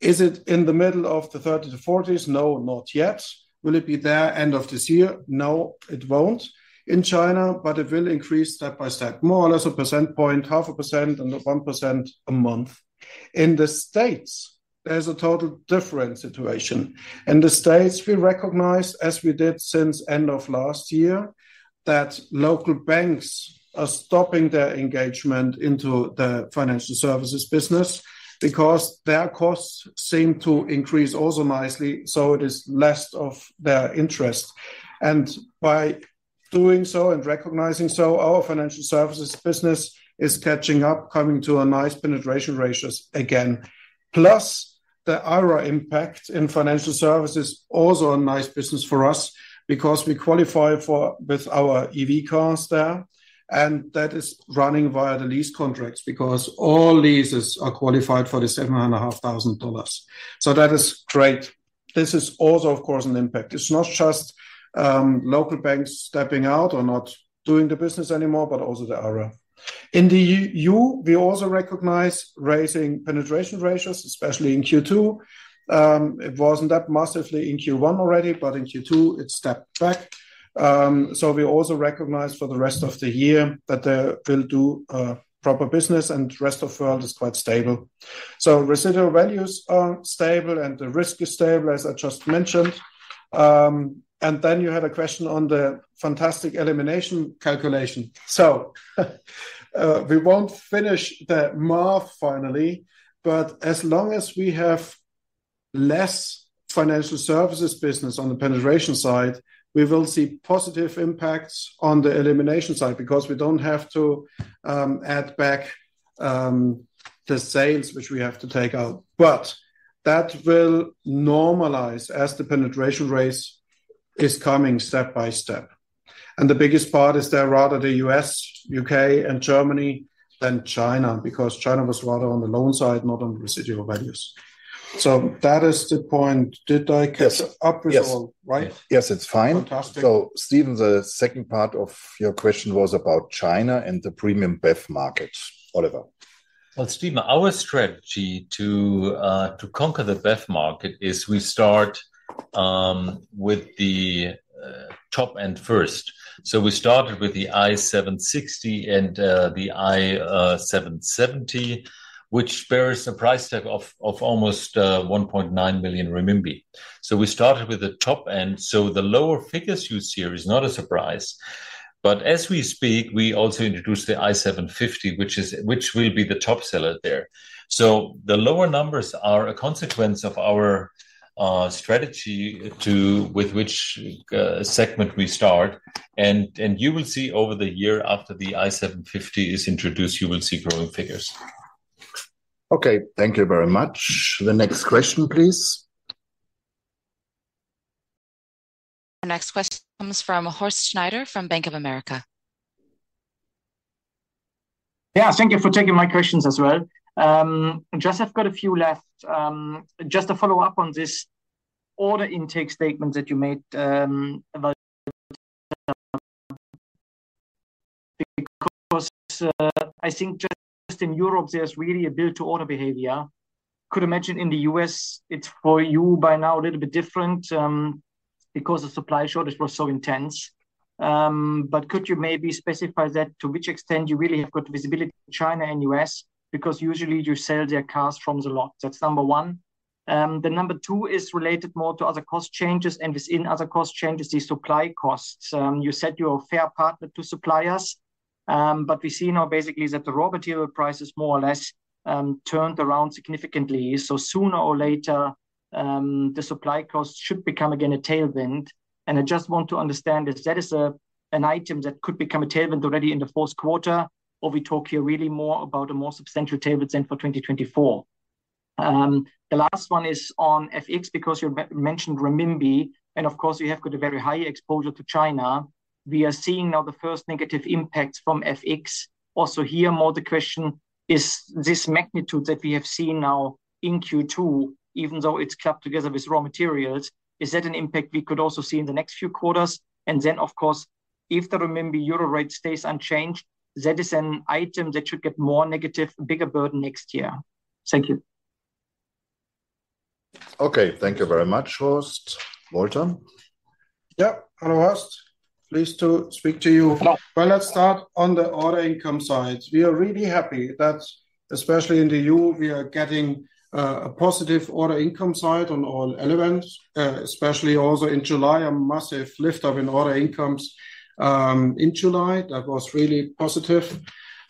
Is it in the middle of the 30-40s? No, not yet. Will it be there end of this year? No, it won't in China, but it will increase step by step, more or less a percent point, 0.5%, and 1% a month. In the States, there's a total different situation. In the States, we recognize, as we did since end of last year, that local banks are stopping their engagement into the financial services business because their costs seem to increase also nicely, it is less of their interest. By doing so and recognizing so, our financial services business is catching up, coming to a nice penetration ratios again. Plus, the IRA impact in financial services also a nice business for us because we qualify for with our EV cars there, and that is running via the lease contracts because all leases are qualified for the $7,500. That is great. This is also, of course, an impact. It's not just local banks stepping out or not doing the business anymore, but also the IRA. In the EU, we also recognize raising penetration ratios, especially in Q2. It wasn't that massively in Q1 already, but in Q2 it stepped back. We also recognize for the rest of the year that they will do proper business, and rest of world is quite stable. Residual values are stable, and the risk is stable, as I just mentioned. And then you had a question on the fantastic elimination calculation. We won't finish the math finally, but as long as we have less financial services business on the penetration side, we will see positive impacts on the elimination side, because we don't have to add back the sales which we have to take out. That will normalize as the penetration rates is coming step by step. The biggest part is that rather the U.S., U.K., and Germany, then China, because China was rather on the loan side, not on residual values. That is the point. Did I catch up with all, right? Yes, it's fine. Fantastic. Stephen, the second part of your question was about China and the premium BEV market. Oliver? Well, Stephen, our strategy to conquer the BEV market is we start with the top end first. We started with the i760 and the i770, which bears a price tag of almost 1.9 million renminbi. We started with the top end, so the lower figures you see here is not a surprise. As we speak, we also introduced the i750, which will be the top seller there. The lower numbers are a consequence of our strategy with which segment we start, and you will see over the year after the i750 is introduced, you will see growing figures. Okay. Thank you very much. The next question, please. The next question comes from Horst Schneider from Bank of America. Yeah, thank you for taking my questions as well. Just I've got a few left. Just to follow up on this order intake statement that you made, about, because I think just in Europe, there's really a build to order behavior. Could imagine in the U.S., it's for you by now a little bit different, because the supply shortage was so intense. Could you maybe specify that to which extent you really have got visibility in China and U.S.? Because usually you sell their cars from the lot. That's number one. The number two is related more to other cost changes, and within other cost changes, the supply costs. You said you're a fair partner to suppliers, we see now basically that the raw material prices more or less turned around significantly. Sooner or later, the supply costs should become again a tailwind. I just want to understand if that is a, an item that could become a tailwind already in the Q4, or we talk here really more about a more substantial tailwind then for 2024. The last one is on FX, because you mentioned renminbi, and of course, you have got a very high exposure to China. We are seeing now the first negative impacts from FX. Here, more the question, is this magnitude that we have seen now in Q2, even though it's kept together with raw materials, is that an impact we could also see in the next few quarters? Of course, if the renminbi Euro rate stays unchanged, that is an item that should get more negative, bigger burden next year. Thank you. Okay, thank you very much, Horst. Walter? Yeah. Hello, Horst. Pleased to speak to you. Hello. Let's start on the order income side. We are really happy that, especially in the EU, we are getting a positive order income side on all elements, especially also in July, a massive lift off in order incomes in July. That was really positive.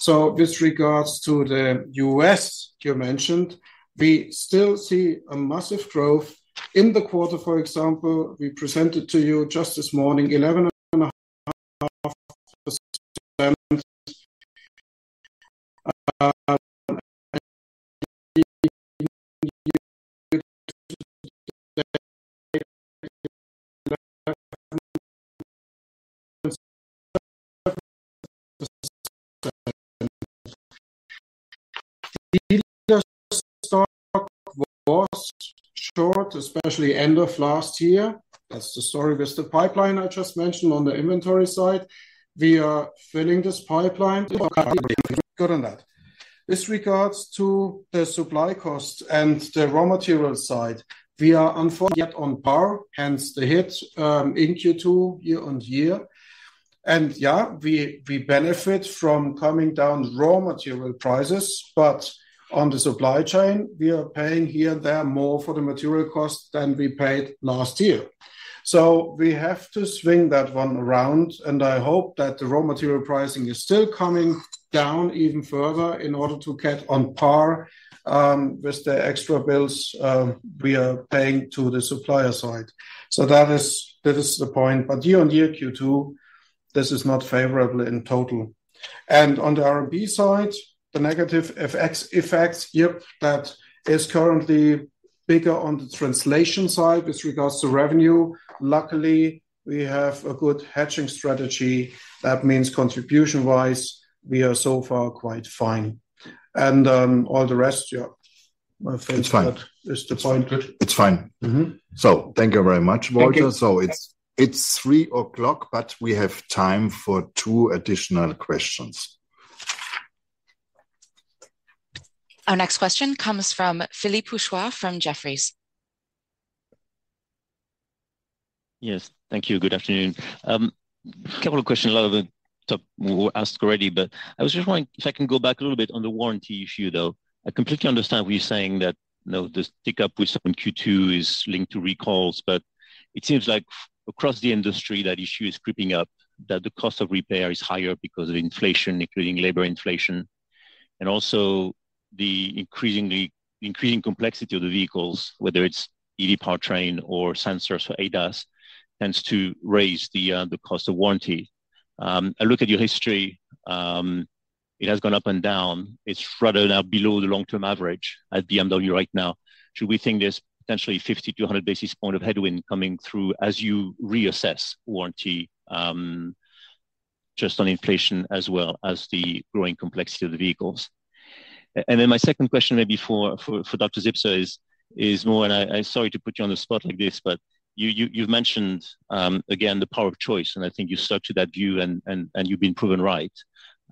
With regards to the U.S., you mentioned, we still see a massive growth. In the quarter, for example, we presented to you just this morning, 11.5%, stock was short, especially end of last year. That's the story with the pipeline I just mentioned on the inventory side. We are filling this pipeline. Good on that. With regards to the supply costs and the raw material side, we are on par, hence the hit in Q2, year-on-year. We, we benefit from coming down raw material prices, but on the supply chain, we are paying here there more for the material costs than we paid last year. We have to swing that one around, and I hope that the raw material pricing is still coming down even further in order to get on par with the extra bills we are paying to the supplier side. That is, that is the point. Year-on-year, Q2, this is not favorable in total. On the RMB side, the negative FX effects, yep, that is currently bigger on the translation side with regards to revenue. Luckily, we have a good hedging strategy. That means contribution-wise, we are so far quite fine. All the rest, yeah. It's fine. It's disappointed. It's fine. Mm-hmm. Thank you very much, Walter. Thank you. It's, it's 3:00, but we have time for two additional questions. Our next question comes from Philippe Houchois from Jefferies. Yes. Thank you. Good afternoon. A couple of questions. A lot of them were asked already. I was just wondering if I can go back a little bit on the warranty issue, though. I completely understand what you're saying, that, you know, the stick up with some Q2 is linked to recalls. It seems like across the industry, that issue is creeping up, that the cost of repair is higher because of inflation, including labor inflation, and also the increasingly increasing complexity of the vehicles, whether it's eDrive powertrain or sensors for ADAS, tends to raise the cost of warranty. I look at your history. It has gone up and down. It's rather now below the long-term average at BMW right now. Should we think there's potentially 50-100 basis point of headwind coming through as you reassess warranty, just on inflation as well as the growing complexity of the vehicles? Then my second question, maybe for Oliver Zipse, is more, I'm sorry to put you on the spot like this, but you've mentioned again, the power of choice, and I think you stuck to that view and you've been proven right.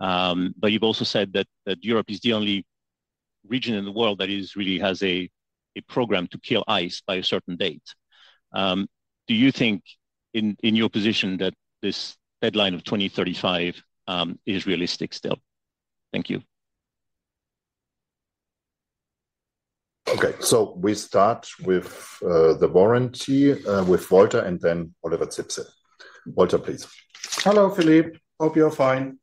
You've also said that Europe is the only region in the world that is really has a program to kill ICE by a certain date. Do you think in your position that this deadline of 2035 is realistic still? Thank you. Okay, we start with, the warranty, with Walter and then Oliver Zipse. Walter, please. Hello, Philippe. Hope you're fine.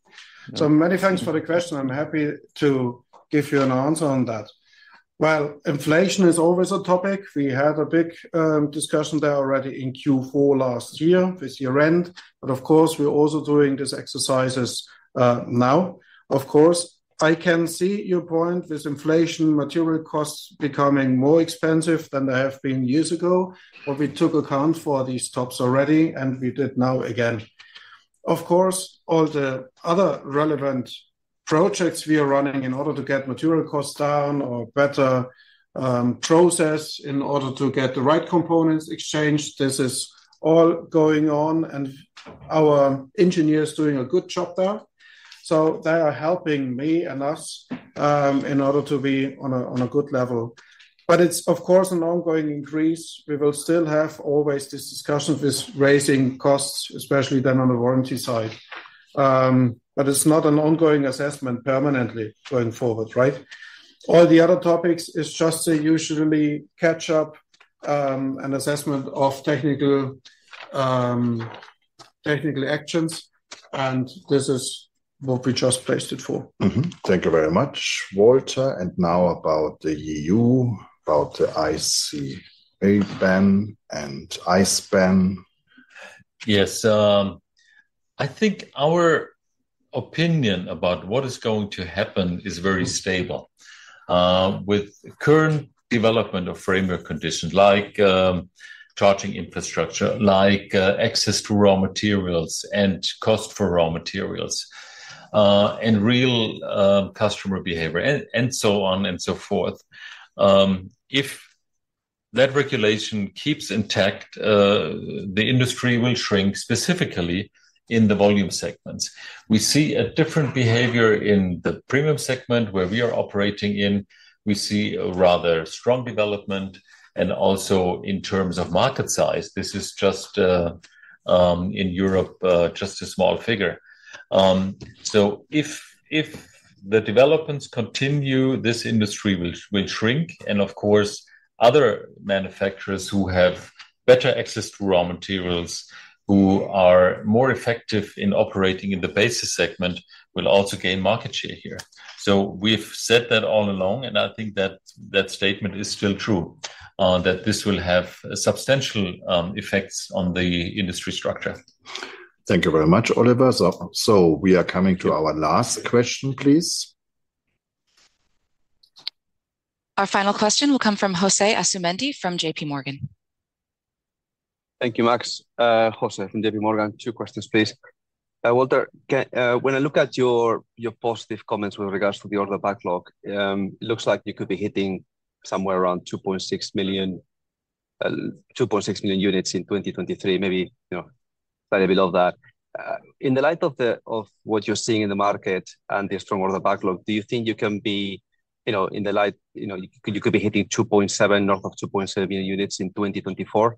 Many thanks for the question. I'm happy to give you an answer on that. Well, inflation is always a topic. We had a big discussion there already in Q4 last year with year-end. Of course, we're also doing these exercises now. Of course, I can see your point, this inflation, material costs becoming more expensive than they have been years ago. We took account for these tops already, and we did now again. Of course, all the other relevant projects we are running in order to get material costs down or better process in order to get the right components exchanged, this is all going on, and our engineers doing a good job there. They are helping me and us in order to be on a good level. It's of course, an ongoing increase. We will still have always this discussion of this raising costs, especially then on the warranty side. It's not an ongoing assessment permanently going forward, right? All the other topics is just a usually catch up, and assessment of technical, technical actions, and this is what we just placed it for. Mm-hmm. Thank you very much, Walter. Now about the EU, about the ICA ban and ICE ban. Yes. I think our opinion about what is going to happen is very stable. With current development of framework conditions like charging infrastructure, like access to raw materials and cost for raw materials, and real customer behavior, and, and so on and so forth. If that regulation keeps intact, the industry will shrink, specifically in the volume segments. We see a different behavior in the premium segment where we are operating in. We see a rather strong development and also in terms of market size. This is just in Europe, just a small figure. If, if the developments continue, this industry will, will shrink, and of course, other manufacturers who have better access to raw materials, who are more effective in operating in the basis segment, will also gain market share here. We've said that all along, and I think that that statement is still true, that this will have substantial effects on the industry structure. Thank you very much, Oliver. We are coming to our last question, please. Our final question will come from Jose Asumendi from J.P. Morgan. Thank you, Max. Jose from J.P. Morgan. Two questions, please. Walter, when I look at your, your positive comments with regards to the order backlog, it looks like you could be hitting somewhere around 2.6 million, 2.6 million units in 2023, maybe, you know, slightly below that. In the light of the, of what you're seeing in the market and the strong order backlog, do you think you can be, you know, in the light, you know, you could be hitting 2.7, north of 2.7 million units in 2024?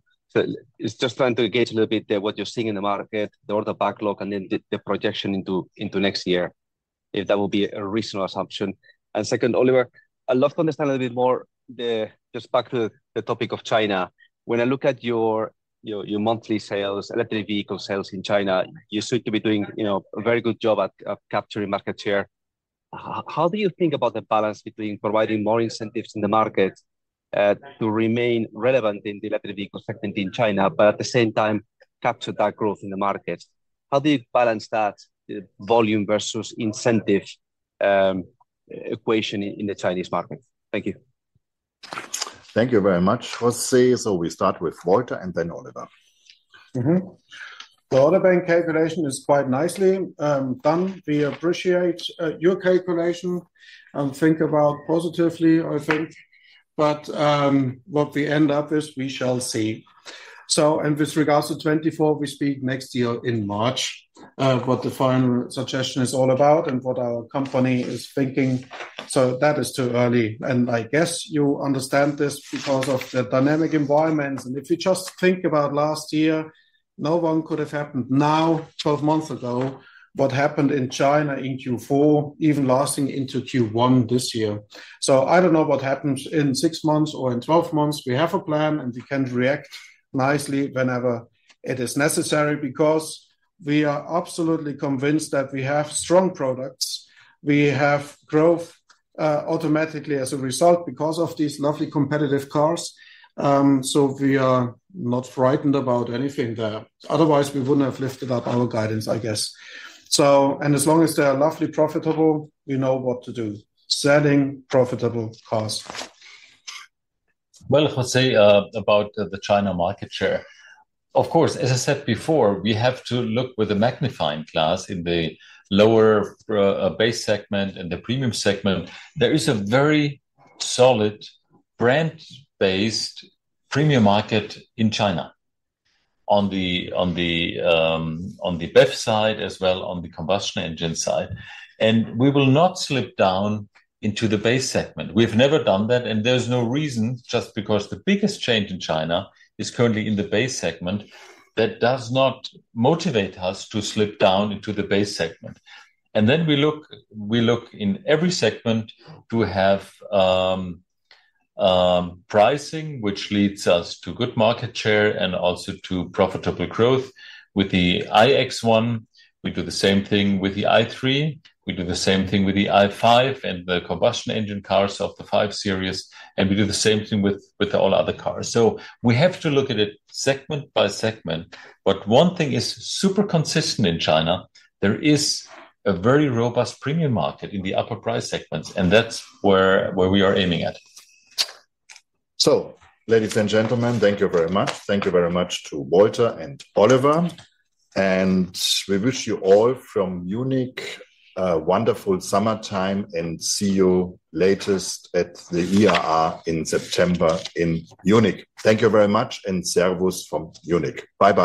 It's just trying to gauge a little bit there, what you're seeing in the market, the order backlog, and then the, the projection into, into next year, if that will be a reasonable assumption. Second, Oliver, I'd love to understand a little bit more just back to the topic of China. When I look at your, your, your monthly sales, electric vehicle sales in China, you seem to be doing, you know, a very good job at, at capturing market share. How do you think about the balance between providing more incentives in the market to remain relevant in the electric vehicle segment in China, but at the same time, capture that growth in the market? How do you balance that, the volume versus incentive equation in the Chinese market? Thank you. Thank you very much, Jose. We start with Walter and then Oliver. Mm-hmm. Oliver, in calculation is quite nicely done. We appreciate your calculation and think about positively, I think. What we end up is we shall see. With regards to 2024, we speak next year in March, what the final suggestion is all about and what our company is thinking. That is too early, and I guess you understand this because of the dynamic environment. If you just think about last year, no one could have happened now, 12 months ago, what happened in China in Q4, even lasting into Q1 this year. I don't know what happens in six months or in 12 months. We have a plan, and we can react nicely whenever it is necessary, because we are absolutely convinced that we have strong products. We have growth, automatically as a result because of these lovely competitive cars. We are not frightened about anything there, otherwise we wouldn't have lifted up our guidance, I guess. As long as they are lovely profitable, we know what to do, selling profitable cars. Well, Jose, about the China market share, of course, as I said before, we have to look with a magnifying glass in the lower base segment and the premium segment. There is a very solid brand-based premium market in China on the BEV side, as well on the combustion engine side, and we will not slip down into the base segment. We've never done that, and there's no reason, just because the biggest change in China is currently in the base segment, that does not motivate us to slip down into the base segment. Then we look, we look in every segment to have pricing, which leads us to good market share and also to profitable growth. With the iX1, we do the same thing with the i3, we do the same thing with the i5 and the combustion engine cars of the 5 Series, and we do the same thing with all other cars. We have to look at it segment by segment, but one thing is super consistent in China, there is a very robust premium market in the upper price segments, and that's where, where we are aiming at. Ladies and gentlemen, thank you very much. Thank you very much to Walter and Oliver, and we wish you all from Munich, wonderful summer time, and see you latest at the IAA in September in Munich. Thank you very much, and Servus from Munich. Bye-bye.